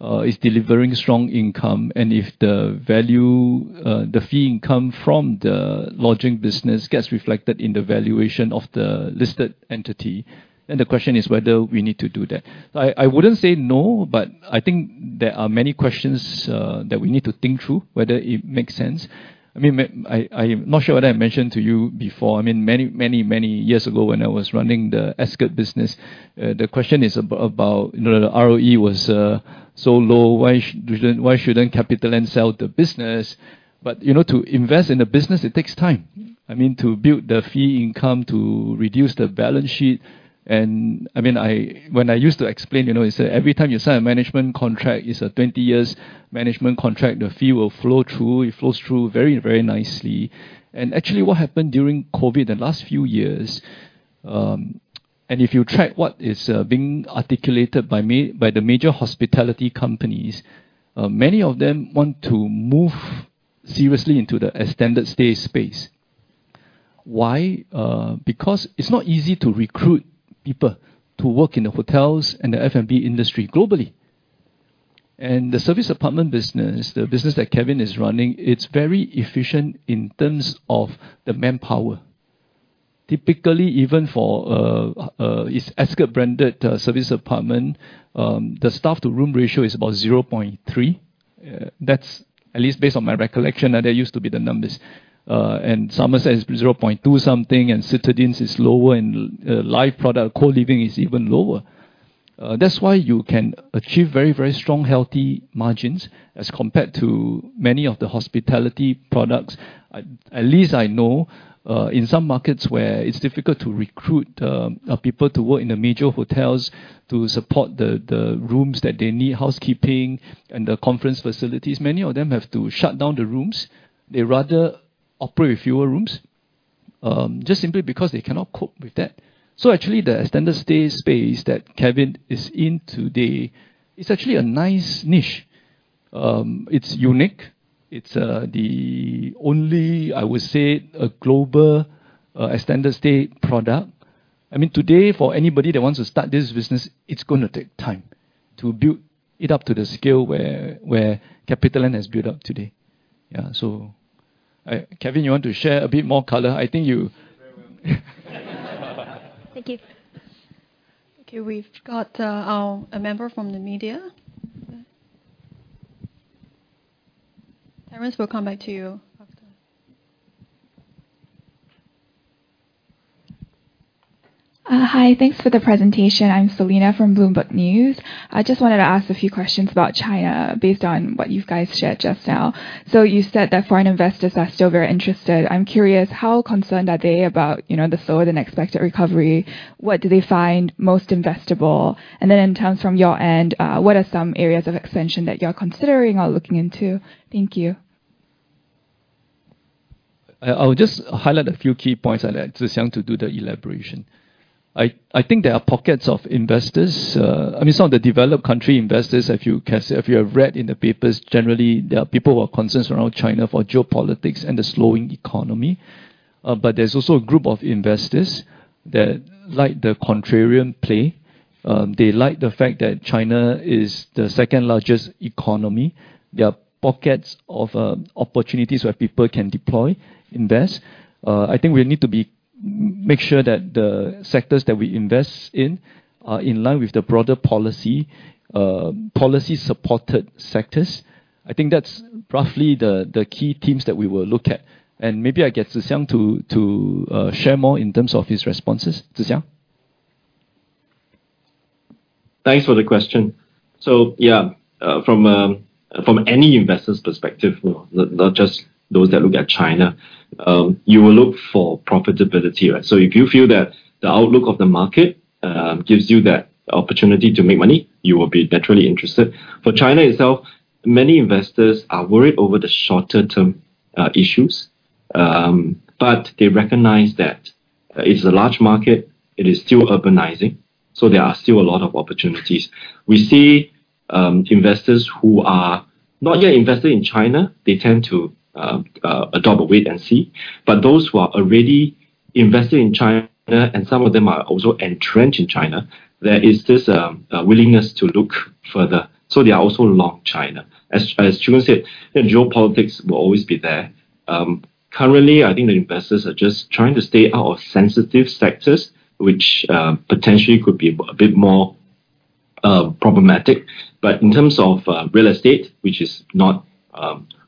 It's delivering strong income. If the value, the fee income from the lodging business gets reflected in the valuation of the listed entity, the question is whether we need to do that I wouldn't say no, but I think there are many questions that we need to think through, whether it makes sense. I mean, I, I'm not sure what I mentioned to you before. I mean, many, many, many years ago, when I was running the Ascott business, the question is about, you know, the ROE was so low, why shouldn't CapitaLand sell the business? You know, to invest in a business, it takes time. I mean, to build the fee income, to reduce the balance sheet, and I mean, when I used to explain, you know, is that every time you sign a management contract, it's a 20 years management contract. The fee will flow through. It flows through very, very nicely. Actually, what happened during COVID, the last few years, and if you track what is being articulated by the major hospitality companies, many of them want to move seriously into the extended stay space. Why? Because it's not easy to recruit people to work in the hotels and the F&B industry globally. The service apartment business, the business that Kevin is running, it's very efficient in terms of the manpower. Typically, even for its Ascott-branded service apartment, the staff-to-room ratio is about 0.3. That's at least based on my recollection, that used to be the numbers. Somerset is 0.2 something, and Citadines is lower, and lyf product, co-living, is even lower. That's why you can achieve very, very strong, healthy margins as compared to many of the hospitality products. At least I know, in some markets where it's difficult to recruit, people to work in the major hotels to support the rooms that they need, housekeeping and the conference facilities, many of them have to shut down the rooms. They rather operate with fewer rooms, just simply because they cannot cope with that. Actually, the extended stay space that Kevin is in today is actually a nice niche. It's unique. It's the only, I would say, a global extended stay product. I mean, today, for anybody that wants to start this business, it's gonna take time to build it up to the scale where, where CapitaLand has built up today. Yeah. Kevin, you want to share a bit more color? I think you. Very well. Thank you. Okay, we've got a member from the media. Terence, we'll come back to you after. Hi. Thanks for the presentation. I'm Selina Wang from Bloomberg News. I just wanted to ask a few questions about China, based on what you guys shared just now. You said that foreign investors are still very interested. I'm curious, how concerned are they about, you know, the slower-than-expected recovery? What do they find most investable? Then in terms from your end, what are some areas of expansion that you're considering or looking into? Thank you. I'll just highlight a few key points, and then Zixuan to do the elaboration. I think there are pockets of investors. I mean, some of the developed country investors, if you can say... If you have read in the papers, generally, there are people who are concerned around China for geopolitics and the slowing economy. There's also a group of investors that like the contrarian play. They like the fact that China is the second-largest economy. There are pockets of opportunities where people can deploy, invest. I think we need to make sure that the sectors that we invest in are in line with the broader policy, policy-supported sectors. I think that's roughly the, the key themes that we will look at. Maybe I get Tze Shyang to, to share more in terms of his responses. Tze Shyang? Thanks for the question. Yeah, from, from any investor's perspective, you know, not, not just those that look at China, you will look for profitability, right? If you feel that the outlook of the market gives you that opportunity to make money, you will be naturally interested. For China itself, many investors are worried over the shorter term issues. But they recognize that it's a large market, it is still urbanizing, so there are still a lot of opportunities. We see, investors who are not yet invested in China, they tend to adopt a wait-and-see. But those who are already invested in China, and some of them are also entrenched in China, there is this willingness to look further, so they are also long China. As, as Puah Tze Shyang said, the geopolitics will always be there. Currently, I think the investors are just trying to stay out of sensitive sectors, which potentially could be a bit more problematic. In terms of real estate, which is not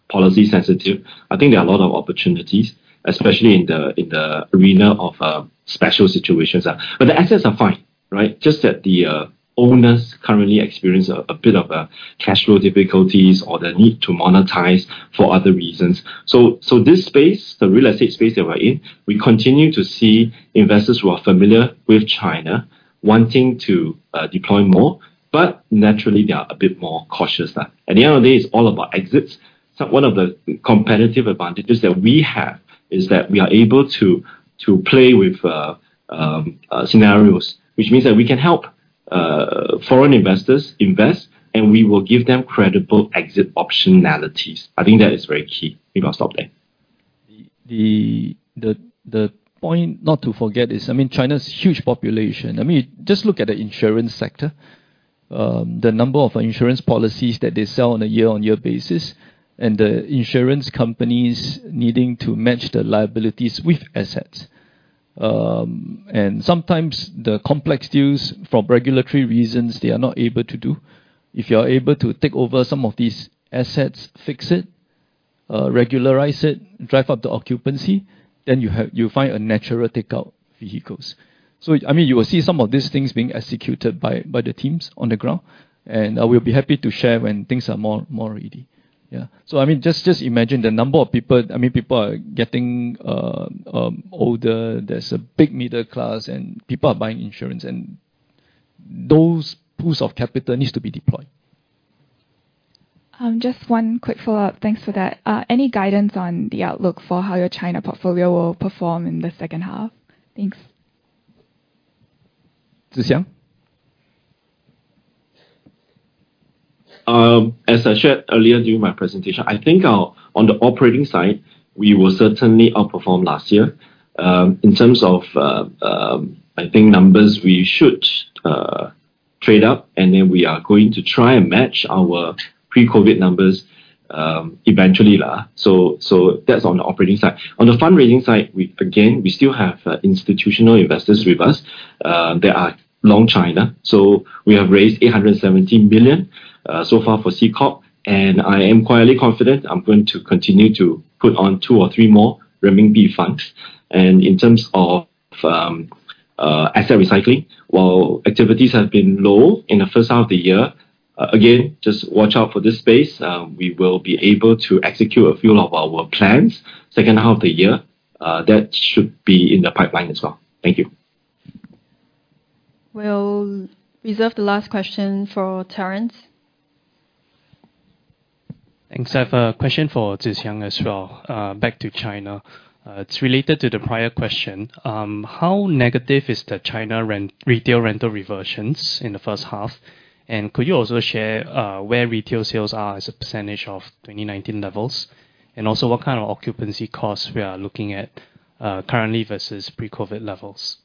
policy sensitive, I think there are a lot of opportunities, especially in the arena of special situations. The assets are fine, right? Just that the owners currently experience a bit of a cash flow difficulties or the need to monetize for other reasons. This space, the real estate space that we're in, we continue to see investors who are familiar with China wanting to deploy more, but naturally, they are a bit more cautious there. At the end of the day, it's all about exits. One of the competitive advantages that we have, is that we are able to, to play with scenarios, which means that we can help foreign investors invest, and we will give them credible exit optionalities. I think that is very key. I think I'll stop there. The point not to forget is, I mean, China's huge population. I mean, just look at the insurance sector. The number of insurance policies that they sell on a year-on-year basis, and the insurance companies needing to match the liabilities with assets. Sometimes the complex deals, for regulatory reasons, they are not able to do. If you are able to take over some of these assets, fix it, regularize it, drive up the occupancy, then you'll find a natural takeout vehicles. I mean, you will see some of these things being executed by, by the teams on the ground, and I will be happy to share when things are more, more ready. Yeah. I mean, just imagine the number of people... I mean, people are getting older, there's a big middle class. People are buying insurance, and those pools of capital needs to be deployed. Just one quick follow-up. Thanks for that. Any guidance on the outlook for how your China portfolio will perform in the second half? Thanks. Tze Shyang? As I shared earlier during my presentation, I think on the operating side, we will certainly outperform last year. In terms of, I think numbers, we should trade up, and then we are going to try and match our pre-COVID numbers eventually there. That's on the operating side. On the fundraising side, again, we still have institutional investors with us. They are long China, so we have raised S$817 billion so far for CCOP, and I am quietly confident I'm going to continue to put on two or three more RMB funds. In terms of asset recycling, while activities have been low in the first half of the year, again, just watch out for this space. We will be able to execute a few of our plans second half of the year. That should be in the pipeline as well. Thank you. We'll reserve the last question for Terence. Thanks. I have a question for Tze Shyang as well, back to China. It's related to the prior question. How negative is the China retail rental reversions in the first half? Could you also share, where retail sales are as a % of 2019 levels? Also, what kind of occupancy costs we are looking at, currently versus pre-COVID levels?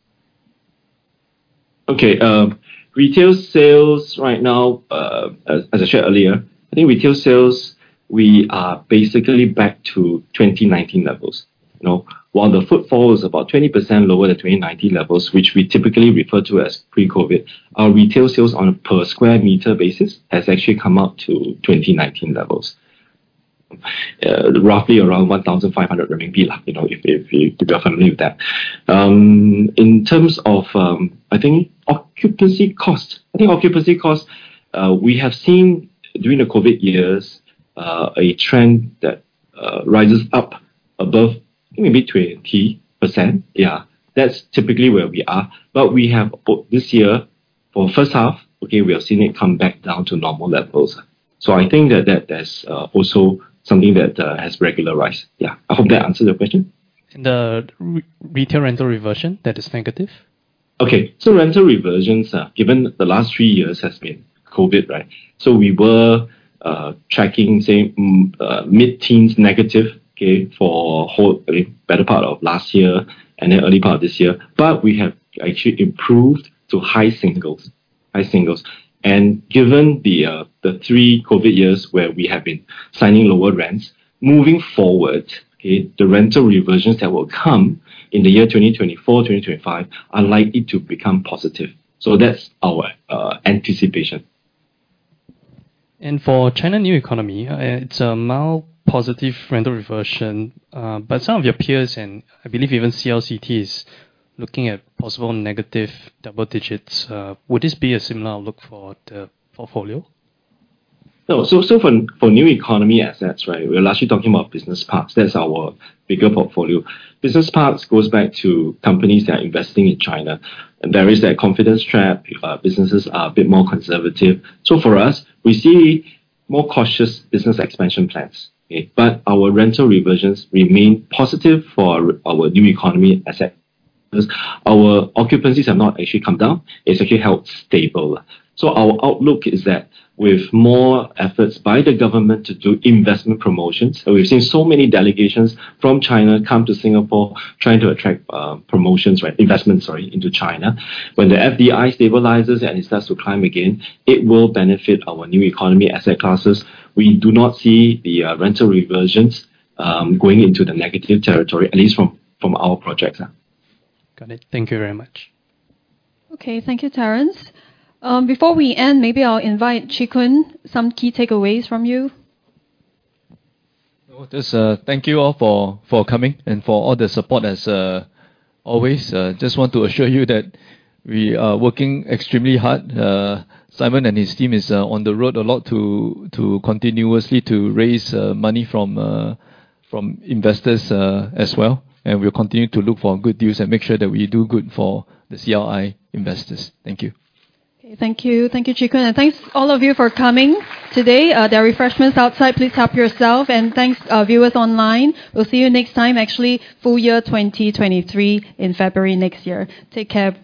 Retail sales right now, as, as I shared earlier, retail sales, we are basically back to 2019 levels. You know, while the footfall is about 20% lower than 2019 levels, which we typically refer to as pre-COVID, our retail sales on a per square meter basis has actually come up to 2019 levels. Roughly around 1,500 RMB, you know, if you, if you're familiar with that. In terms of, occupancy cost, occupancy cost, we have seen during the COVID years, a trend that, rises up above, maybe between 30%. Yeah, that's typically where we are. But we have, this year, for first half, we have seen it come back down to normal levels. I think that, that there's, also something that, has regularized. Yeah. I hope that answered your question. The retail rental reversion that is negative? Okay. rental reversions, given the last 3 years has been COVID, right? we were tracking, say, mid-teens negative, okay, for whole, I think, better part of last year and the early part of this year, but we have actually improved to high singles. high singles. given the 3 COVID years where we have been signing lower rents, moving forward, okay, the rental reversions that will come in the year 2024, 2025, are likely to become positive. that's our anticipation. For China new economy, it's a mild positive rental reversion. Some of your peers, and I believe even CLCT, is looking at possible negative double-digits. Would this be a similar outlook for the portfolio? No. For new economy assets, right, we're largely talking about business parks. That's our bigger portfolio. Business parks goes back to companies that are investing in China, and there is that confidence trap. Businesses are a bit more conservative. For us, we see more cautious business expansion plans, okay? Our rental reversions remain positive for our new economy asset. 'Cause our occupancies have not actually come down, it's actually held stable. Our outlook is that with more efforts by the government to do investment promotions, and we've seen so many delegations from China come to Singapore trying to attract promotions, right, investments, sorry, into China. When the FDI stabilizes and it starts to climb again, it will benefit our new economy asset classes. We do not see the rental reversions going into the negative territory, at least from, from our projects now. Got it. Thank you very much. Okay, thank you, Terence. Before we end, maybe I'll invite Chee Koon, some key takeaways from you. Well, just, thank you all for, for coming and for all the support as always. Just want to assure you that we are working extremely hard. Simon and his team is on the road a lot to, to continuously to raise money from investors as well. We'll continue to look for good deals and make sure that we do good for the CLI investors. Thank you. Okay. Thank you. Thank you, Chee Koon, and thanks all of you for coming today. There are refreshments outside, please help yourself. Thanks, viewers online. We'll see you next time, actually, full year 2023 in February next year. Take care.